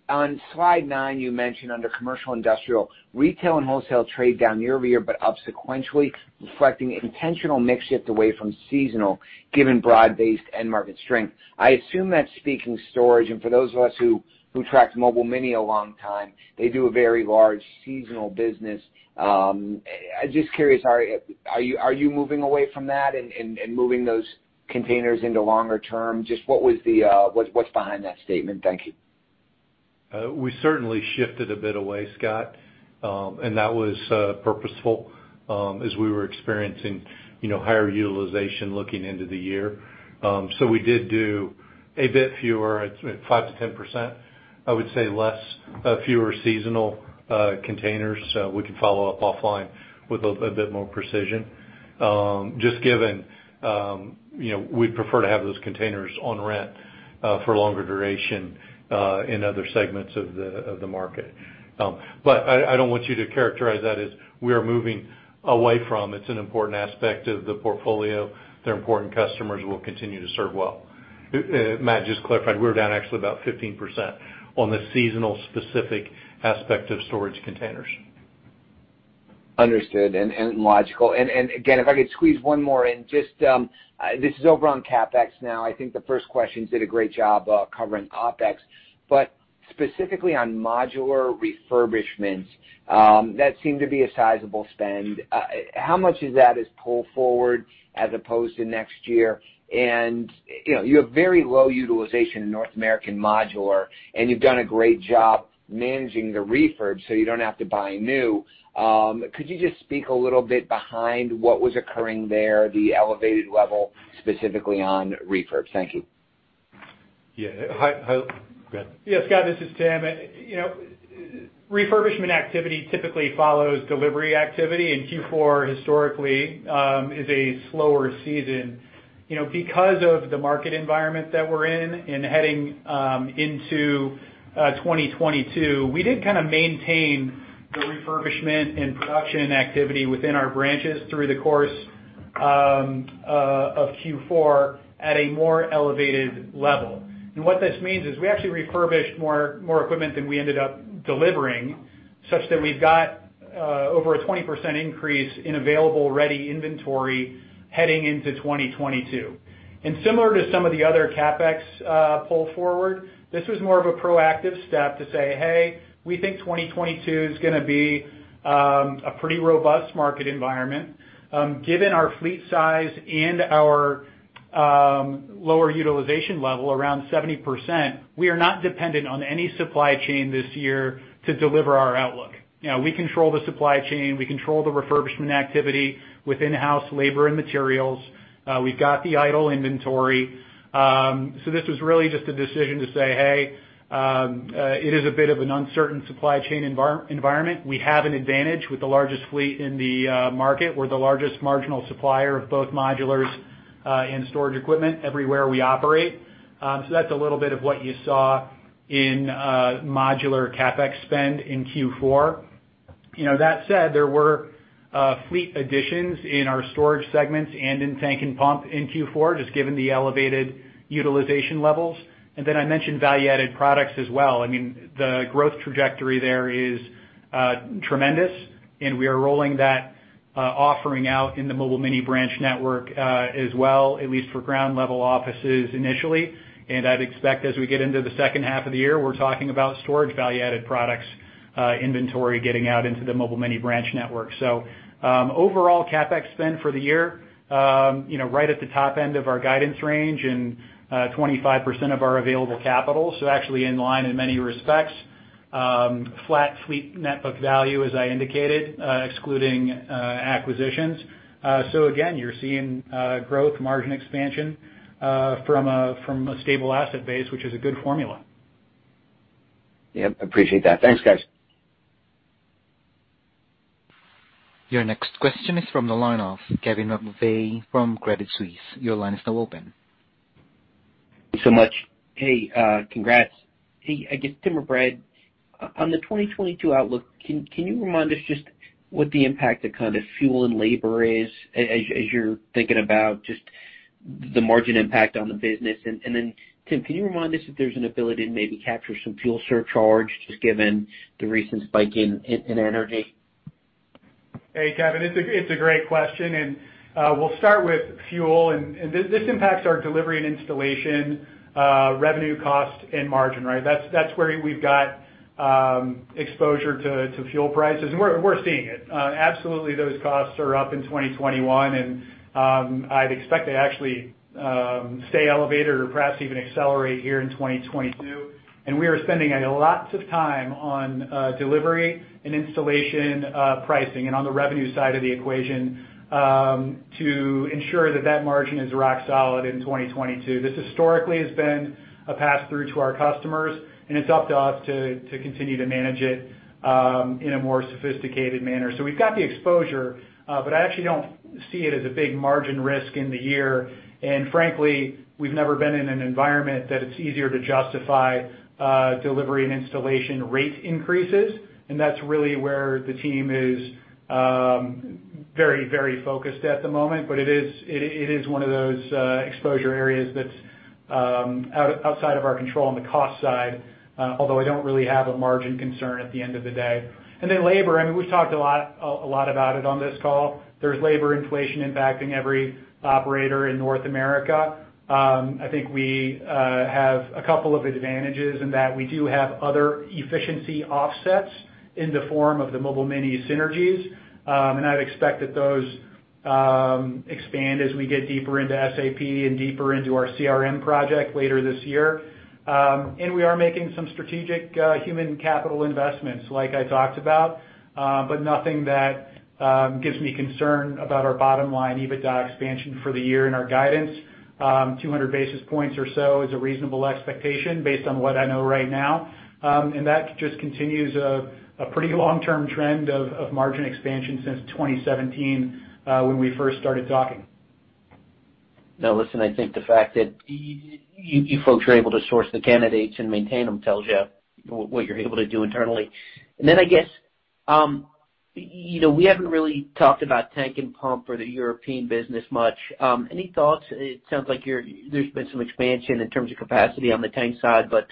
On slide 9, you mentioned under commercial industrial, retail and wholesale trade down year-over-year, but up sequentially, reflecting intentional mix shift away from seasonal, given broad-based end market strength. I assume that's speaking storage. For those of us who tracked Mobile Mini a long time, they do a very large seasonal business. I'm just curious, are you moving away from that and moving those containers into longer term? What's behind that statement? Thank you. We certainly shifted a bit away, Scott, and that was purposeful as we were experiencing, you know, higher utilization looking into the year. We did do a bit fewer; it's 5%-10%. I would say less, fewer seasonal containers. We can follow up offline with a bit more precision. Just given, you know, we'd prefer to have those containers on rent for longer duration in other segments of the market. I don't want you to characterize that as we are moving away from. It's an important aspect of the portfolio. They're important customers we'll continue to serve well. Matt, just to clarify, we're down actually about 15% on the seasonal specific aspect of storage containers. Understood and logical. If I could squeeze one more in. Just, this is over on CapEx now. I think the first question did a great job covering OpEx. But specifically on modular refurbishments, that seemed to be a sizable spend. How much of that is pulled forward as opposed to next year? You know, you have very low utilization in North American modular, and you've done a great job managing the refurb, so you don't have to buy new. Could you just speak a little bit behind what was occurring there, the elevated level, specifically on refurbs? Thank you. Yeah. Go ahead. Yeah. Scott, this is Tim. You know, refurbishment activity typically follows delivery activity, and Q4 historically is a slower season. You know, because of the market environment that we're in and heading into 2022, we did kind of maintain the refurbishment and production activity within our branches through the course of Q4 at a more elevated level. What this means is we actually refurbished more equipment than we ended up delivering such that we've got over a 20% increase in available ready inventory heading into 2022. Similar to some of the other CapEx pull forward, this was more of a proactive step to say, "Hey, we think 2022 is gonna be a pretty robust market environment." Given our fleet size and our lower utilization level around 70%, we are not dependent on any supply chain this year to deliver our outlook. You know, we control the supply chain. We control the refurbishment activity with in-house labor and materials. We've got the idle inventory. So this was really just a decision to say, "Hey, it is a bit of an uncertain supply chain environment. We have an advantage with the largest fleet in the market. We're the largest marginal supplier of both modulars, and storage equipment everywhere we operate. That's a little bit of what you saw in, modular CapEx spend in Q4. You know, that said, there were, fleet additions in our storage segments and in tank and pump in Q4, just given the elevated utilization levels. I mentioned value-added products as well. I mean, the growth trajectory there is, tremendous, and we are rolling that, offering out in the Mobile Mini branch network, as well, at least for ground level offices initially. I'd expect as we get into the second half of the year, we're talking about storage value-added products, inventory getting out into the Mobile Mini branch network. Overall CapEx spend for the year, you know, right at the top end of our guidance range and 25% of our available capital, so actually in line in many respects. Flat fleet net book value, as I indicated, excluding acquisitions. Again, you're seeing growth, margin expansion from a stable asset base, which is a good formula. Yep, appreciate that. Thanks, guys. Your next question is from the line of Kevin McVeigh from Credit Suisse. Your line is now open. Thanks so much. Hey, congrats. Hey, I guess Tim or Brad, on the 2022 outlook, can you remind us just what the impact of kind of fuel and labor is as you're thinking about just the margin impact on the business? And then Tim, can you remind us if there's an ability to maybe capture some fuel surcharge just given the recent spike in energy? Hey, Kevin. It's a great question. We'll start with fuel and this impacts our delivery and installation revenue cost and margin, right? That's where we've got exposure to fuel prices, and we're seeing it. Absolutely those costs are up in 2021 and I'd expect to actually stay elevated or perhaps even accelerate here in 2022. We are spending a lot of time on delivery and installation pricing and on the revenue side of the equation to ensure that that margin is rock solid in 2022. This historically has been a pass-through to our customers, and it's up to us to continue to manage it in a more sophisticated manner. We've got the exposure, but I actually don't see it as a big margin risk in the year. Frankly, we've never been in an environment that it's easier to justify delivery and installation rate increases. That's really where the team is very focused at the moment. It is one of those exposure areas that's outside of our control on the cost side, although I don't really have a margin concern at the end of the day. Then labor, I mean, we've talked a lot about it on this call. There's labor inflation impacting every operator in North America. I think we have a couple of advantages in that we do have other efficiency offsets in the form of the Mobile Mini synergies. I'd expect that those expand as we get deeper into SAP and deeper into our CRM project later this year. We are making some strategic human capital investments like I talked about, but nothing that gives me concern about our bottom line EBITDA expansion for the year and our guidance. 200 basis points or so is a reasonable expectation based on what I know right now. That just continues a pretty long-term trend of margin expansion since 2017 when we first started talking. No, listen, I think the fact that you folks are able to source the candidates and maintain them tells you what you're able to do internally. I guess, you know, we haven't really talked about tank and pump or the European business much. Any thoughts? It sounds like there's been some expansion in terms of capacity on the tank side, but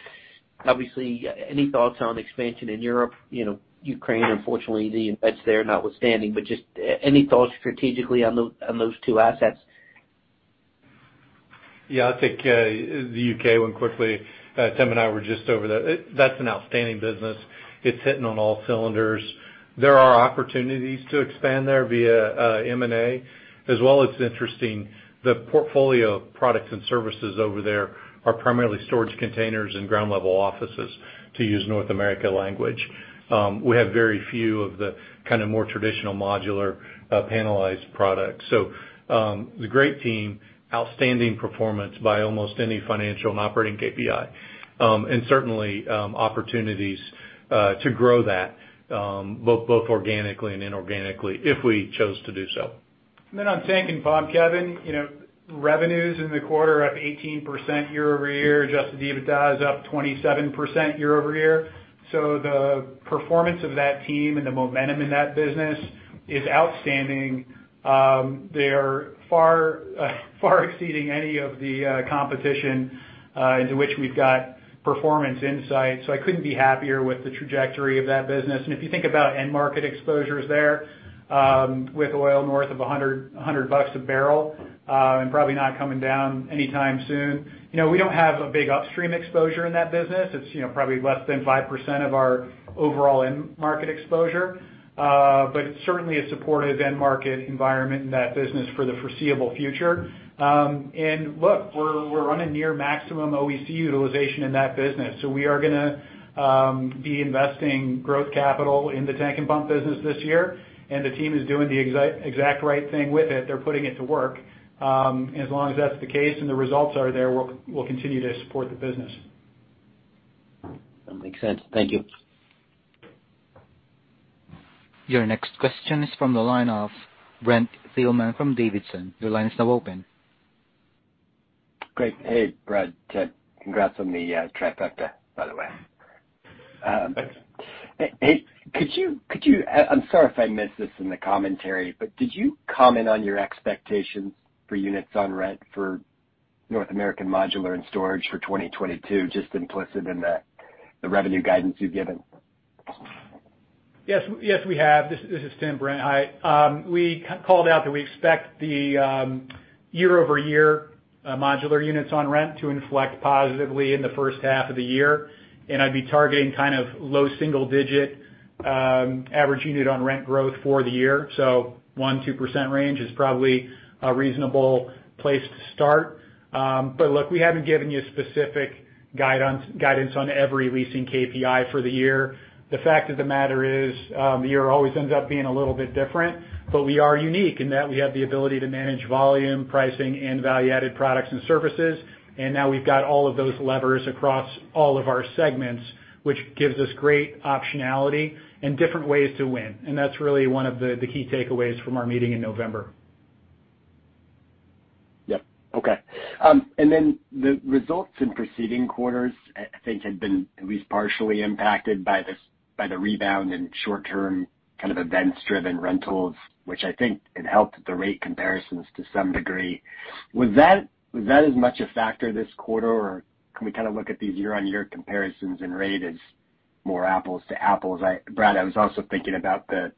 obviously any thoughts on expansion in Europe, you know, Ukraine, unfortunately, the events there notwithstanding, but just any thoughts strategically on those two assets? Yeah, I'll take the U.K. one quickly. Tim and I were just over there. That's an outstanding business. It's hitting on all cylinders. There are opportunities to expand there via M&A as well. It's interesting. The portfolio of products and services over there are primarily storage containers and ground level offices to use North American language. We have very few of the kind of more traditional modular panelized products. The great team, outstanding performance by almost any financial and operating KPI. Certainly opportunities to grow that both organically and inorganically if we chose to do so. On tank and pump, Kevin, you know, revenues in the quarter up 18% year-over-year, adjusted EBITDA is up 27% year-over-year. The performance of that team and the momentum in that business is outstanding. They are far exceeding any of the competition in which we've got performance insights. I couldn't be happier with the trajectory of that business. If you think about end market exposures there, with oil north of $100 a barrel and probably not coming down anytime soon, you know, we don't have a big upstream exposure in that business. It's, you know, probably less than 5% of our overall end market exposure. But certainly a supportive end market environment in that business for the foreseeable future. Look, we're running near maximum OEC utilization in that business. We are gonna be investing growth capital in the tank and pump business this year, and the team is doing the exact right thing with it. They're putting it to work. As long as that's the case and the results are there, we'll continue to support the business. That makes sense. Thank you. Your next question is from the line of Brent Thielman from Davidson. Your line is now open. Great. Hey, Brad, Tim. Congrats on the trifecta, by the way. Hey, I'm sorry if I missed this in the commentary, but did you comment on your expectations for units on rent for North American Modular and Storage for 2022, just implicit in the revenue guidance you've given? Yes, we have. This is Tim, Brent. Hi. We called out that we expect the year-over-year modular units on rent to inflect positively in the first half of the year. I'd be targeting kind of low single digit average unit on rent growth for the year. 1%-2% range is probably a reasonable place to start. Look, we haven't given you specific guidance on every leasing KPI for the year. The fact of the matter is, the year always ends up being a little bit different, but we are unique in that we have the ability to manage volume, pricing, and value-added products and services. Now we've got all of those levers across all of our segments, which gives us great optionality and different ways to win. That's really one of the key takeaways from our meeting in November. Yep. Okay. The results in preceding quarters, I think had been at least partially impacted by the rebound in short-term kind of events-driven rentals, which I think it helped the rate comparisons to some degree. Was that as much a factor this quarter, or can we kind of look at these year-on-year comparisons and rate as more apples to apples? Brad, I was also thinking about the,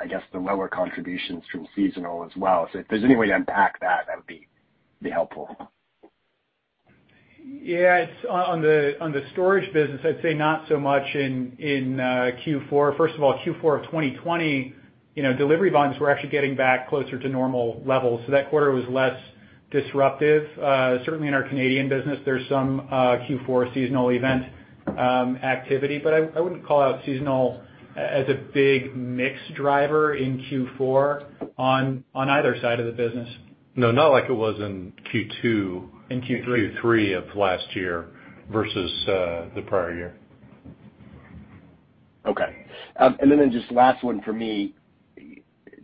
I guess, the lower contributions from seasonal as well. If there's any way to unpack that would be helpful. Yeah. It's on the storage business, I'd say not so much in Q4. First of all, Q4 of 2020, you know, delivery volumes were actually getting back closer to normal levels. That quarter was less disruptive. Certainly in our Canadian business there's some Q4 seasonal event activity. I wouldn't call out seasonal as a big mix driver in Q4 on either side of the business. No, not like it was in Q2. In Q3 Q3 of last year versus the prior year. Okay. Just last one for me.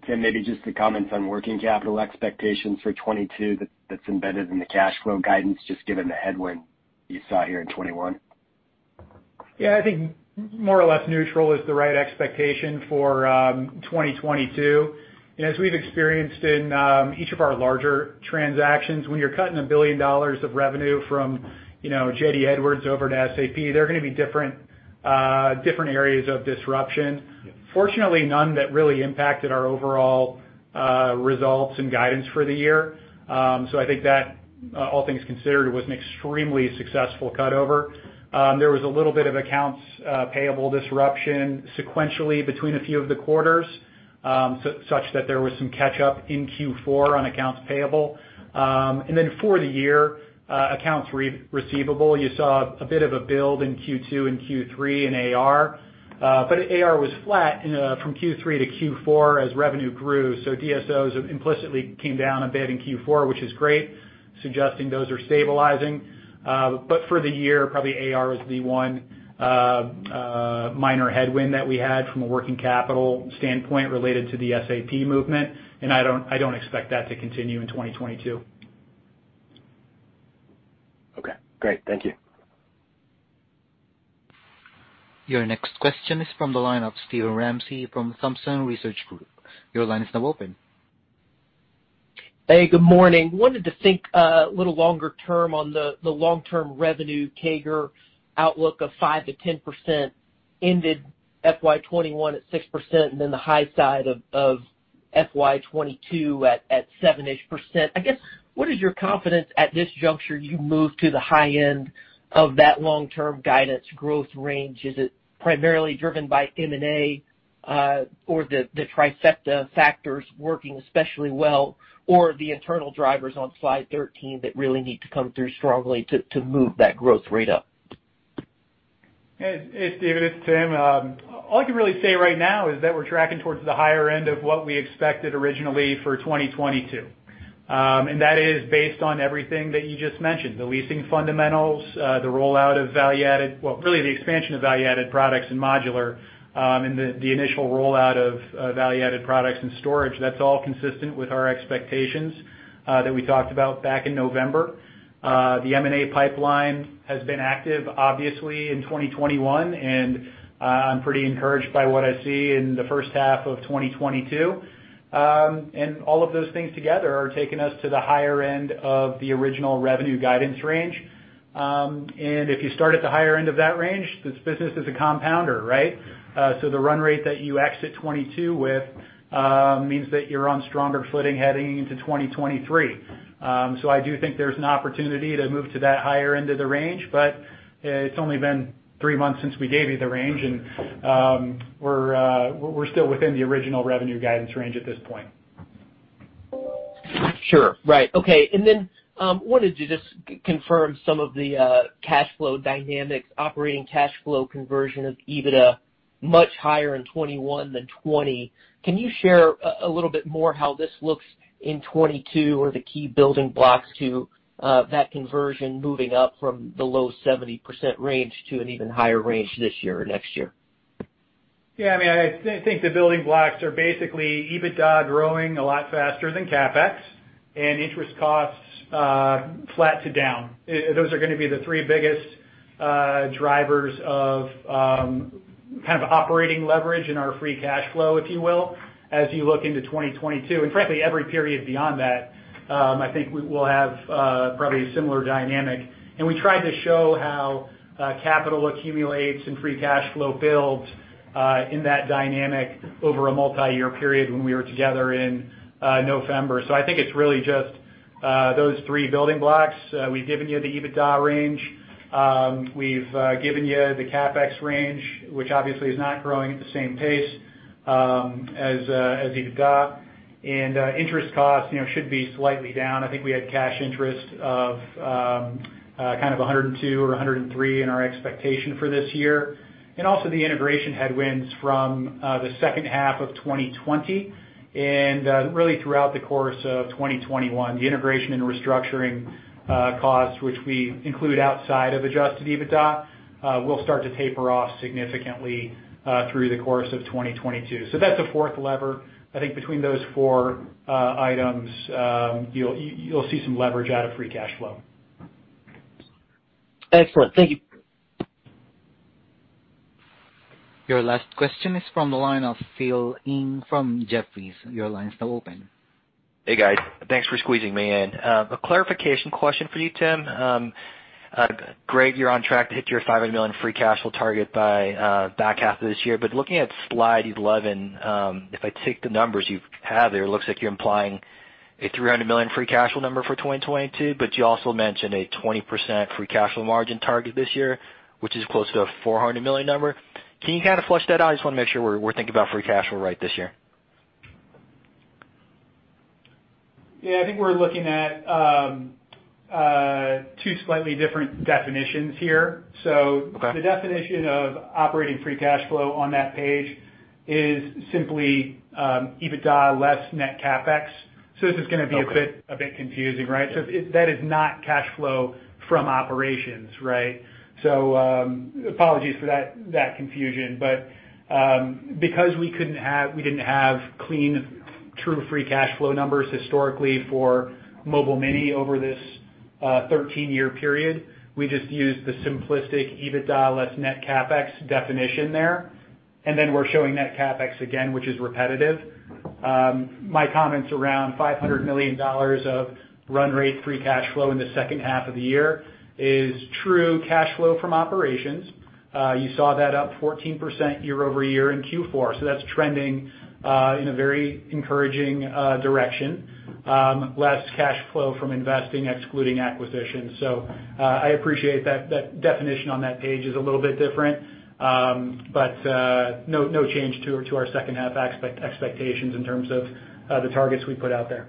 Tim, maybe just the comments on working capital expectations for 2022 that's embedded in the cash flow guidance, just given the headwind you saw here in 2021. Yeah. I think more or less neutral is the right expectation for 2022. You know, as we've experienced in each of our larger transactions, when you're cutting $1 billion of revenue from J.D. Edwards over to SAP, there are gonna be different areas of disruption. Yeah. Fortunately, none that really impacted our overall results and guidance for the year. I think that all things considered was an extremely successful cut over. There was a little bit of accounts payable disruption sequentially between a few of the quarters. Such that there was some catch up in Q4 on accounts payable. Then for the year, accounts receivable, you saw a bit of a build in Q2 and Q3 in AR, but AR was flat, you know, from Q3 to Q4 as revenue grew. DSOs implicitly came down a bit in Q4, which is great, suggesting those are stabilizing. For the year, probably AR is the one minor headwind that we had from a working capital standpoint related to the SAP movement, and I don't expect that to continue in 2022. Okay. Great. Thank you. Your next question is from the line of Steven Ramsey from Thompson Research Group. Your line is now open. Hey, good morning. Wanted to think a little longer term on the long-term revenue CAGR outlook of 5%-10% ended FY 2021 at 6%, and then the high side of FY 2022 at 7-ish%. I guess, what is your confidence at this juncture you move to the high end of that long-term guidance growth range? Is it primarily driven by M&A, or the trifecta factors working especially well, or the internal drivers on slide 13 that really need to come through strongly to move that growth rate up? Hey, hey Steven, it's Tim. All I can really say right now is that we're tracking towards the higher end of what we expected originally for 2022. That is based on everything that you just mentioned, the leasing fundamentals, the expansion of value-added products in modular, and the initial rollout of value-added products in storage. That's all consistent with our expectations that we talked about back in November. The M&A pipeline has been active, obviously, in 2021, and I'm pretty encouraged by what I see in the first half of 2022. All of those things together are taking us to the higher end of the original revenue guidance range. If you start at the higher end of that range, this business is a compounder, right? The run rate that you exit 2022 with means that you're on stronger footing heading into 2023. I do think there's an opportunity to move to that higher end of the range, but it's only been three months since we gave you the range, and we're still within the original revenue guidance range at this point. Sure. Right. Okay. Wanted to just confirm some of the cash flow dynamics, operating cash flow conversion of EBITDA much higher in 2021 than 2020. Can you share a little bit more how this looks in 2022, or the key building blocks to that conversion moving up from the low 70% range to an even higher range this year or next year? Yeah. I mean, I think the building blocks are basically EBITDA growing a lot faster than CapEx and interest costs, flat to down. Those are gonna be the three biggest drivers of kind of operating leverage in our free cash flow, if you will, as you look into 2022. Frankly, every period beyond that, I think we will have probably a similar dynamic. We tried to show how capital accumulates and free cash flow builds in that dynamic over a multiyear period when we were together in November. I think it's really just those three building blocks. We've given you the EBITDA range. We've given you the CapEx range, which obviously is not growing at the same pace as EBITDA. Interest costs, you know, should be slightly down. I think we had cash interest of kind of $102 or $103 in our expectation for this year. Also the integration headwinds from the second half of 2020 and really throughout the course of 2021. The integration and restructuring costs, which we include outside of adjusted EBITDA, will start to taper off significantly through the course of 2022. That's a fourth lever. I think between those four items, you'll see some leverage out of free cash flow. Excellent. Thank you. Your last question is from the line of Phil Ng from Jefferies. Your line's now open. Hey, guys. Thanks for squeezing me in. A clarification question for you, Tim. Great, you're on track to hit your $500 million free cash flow target by back half of this year. Looking at slide 11, if I take the numbers you have there, it looks like you're implying a $300 million free cash flow number for 2022, but you also mentioned a 20% free cash flow margin target this year, which is close to a $400 million number. Can you kind of flesh that out? I just wanna make sure we're thinking about free cash flow right this year. Yeah. I think we're looking at two slightly different definitions here. Okay. The definition of operating free cash flow on that page is simply EBITDA less net CapEx. Okay. This is gonna be a bit confusing, right? That is not cash flow from operations, right? Apologies for that confusion. Because we didn't have clean true free cash flow numbers historically for Mobile Mini over this 13-year period, we just used the simplistic EBITDA less net CapEx definition there, and then we're showing net CapEx again, which is repetitive. My comments around $500 million of run rate free cash flow in the second half of the year is true cash flow from operations. You saw that up 14% year-over-year in Q4, so that's trending in a very encouraging direction. Less cash flow from investing, excluding acquisitions. I appreciate that definition on that page is a little bit different, but no change to our second half expectations in terms of the targets we put out there.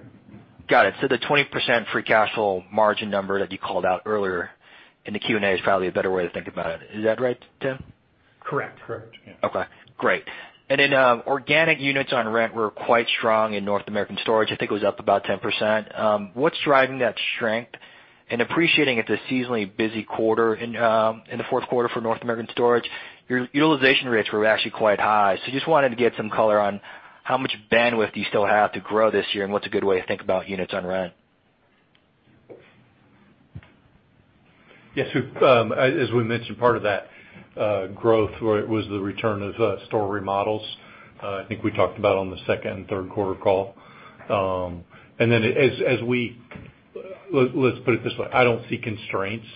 Got it. The 20% free cash flow margin number that you called out earlier in the Q&A is probably a better way to think about it. Is that right, Tim? Correct. Yeah. Okay. Great. Then, organic units on rent were quite strong in North American storage. I think it was up about 10%. What's driving that strength? Appreciating it's a seasonally busy quarter in the fourth quarter for North American Storage, your utilization rates were actually quite high. Just wanted to get some color on how much bandwidth do you still have to grow this year, and what's a good way to think about units on rent? Yes. As we mentioned, part of that growth was the return of store remodels. I think we talked about on the second and third quarter call. Then let's put it this way, I don't see constraints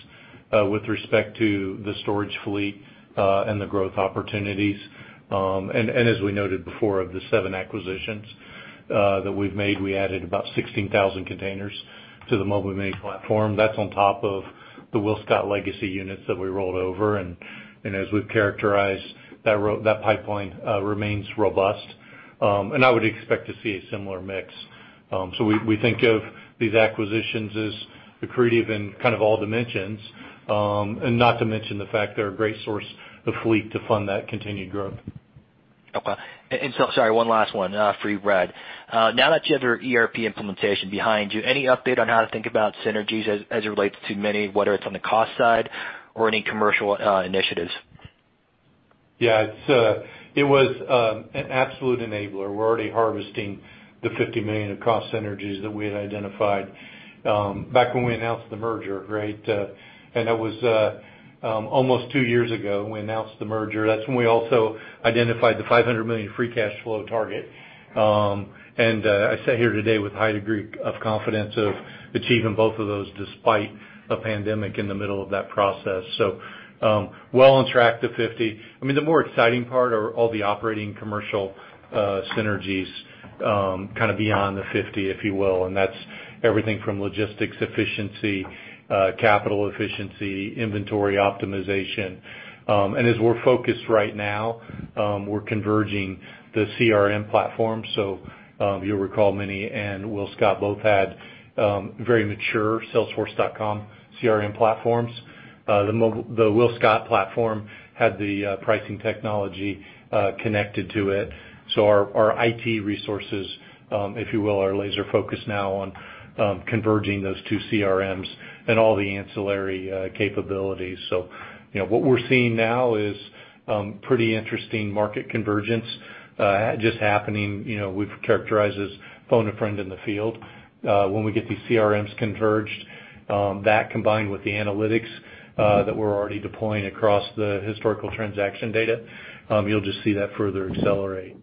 with respect to the storage fleet and the growth opportunities. As we noted before, of the seven acquisitions that we've made, we added about 16,000 containers to the Mobile Mini platform. That's on top of the WillScot legacy units that we rolled over. As we've characterized, that pipeline remains robust. I would expect to see a similar mix. We think of these acquisitions as accretive in kind of all dimensions. Not to mention the fact they're a great source of fleet to fund that continued growth. Sorry, one last one, for you, Brad. Now that you have your ERP implementation behind you, any update on how to think about synergies as it relates to M&A, whether it's on the cost side or any commercial initiatives? Yeah. It's an absolute enabler. We're already harvesting the $50 million of cost synergies that we had identified back when we announced the merger, right? That was almost two years ago when we announced the merger. That's when we also identified the $500 million free cash flow target. I sit here today with a high degree of confidence of achieving both of those despite a pandemic in the middle of that process. Well on track to $50 million. I mean, the more exciting part are all the operating commercial synergies kind of beyond the $50 million, if you will, and that's everything from logistics efficiency, capital efficiency, inventory optimization. As we're focused right now, we're converging the CRM platform. You'll recall Mobile Mini and WillScot both had very mature Salesforce.com CRM platforms. The Mobile Mini, the WillScot platform, had the pricing technology connected to it. Our IT resources, if you will, are laser-focused now on converging those two CRMs and all the ancillary capabilities. You know, what we're seeing now is pretty interesting market convergence just happening. You know, we've characterized it as phone a friend in the field. When we get these CRMs converged, that combined with the analytics that we're already deploying across the historical transaction data, you'll just see that further accelerate.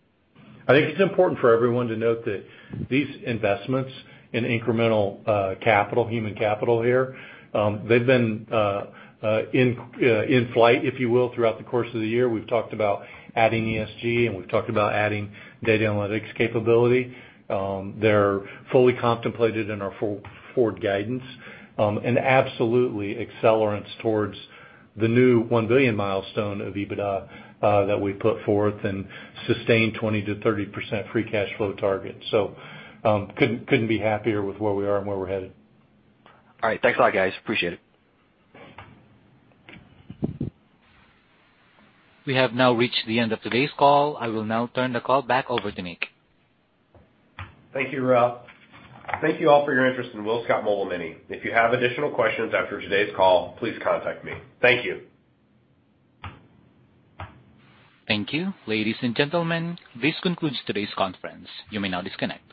I think it's important for everyone to note that these investments in incremental capital, human capital here, they've been in flight, if you will, throughout the course of the year. We've talked about adding ESG, and we've talked about adding data analytics capability. They're fully contemplated in our forward guidance, and absolutely accelerants towards the new $1 billion milestone of EBITDA, that we put forth and sustained 20%-30% free cash flow target. Couldn't be happier with where we are and where we're headed. All right. Thanks a lot, guys. Appreciate it. We have now reached the end of today's call. I will now turn the call back over to Nick. Thank you, Raul. Thank you all for your interest in WillScot Mobile Mini. If you have additional questions after today's call, please contact me. Thank you. Thank you. Ladies and gentlemen, this concludes today's conference. You may now disconnect.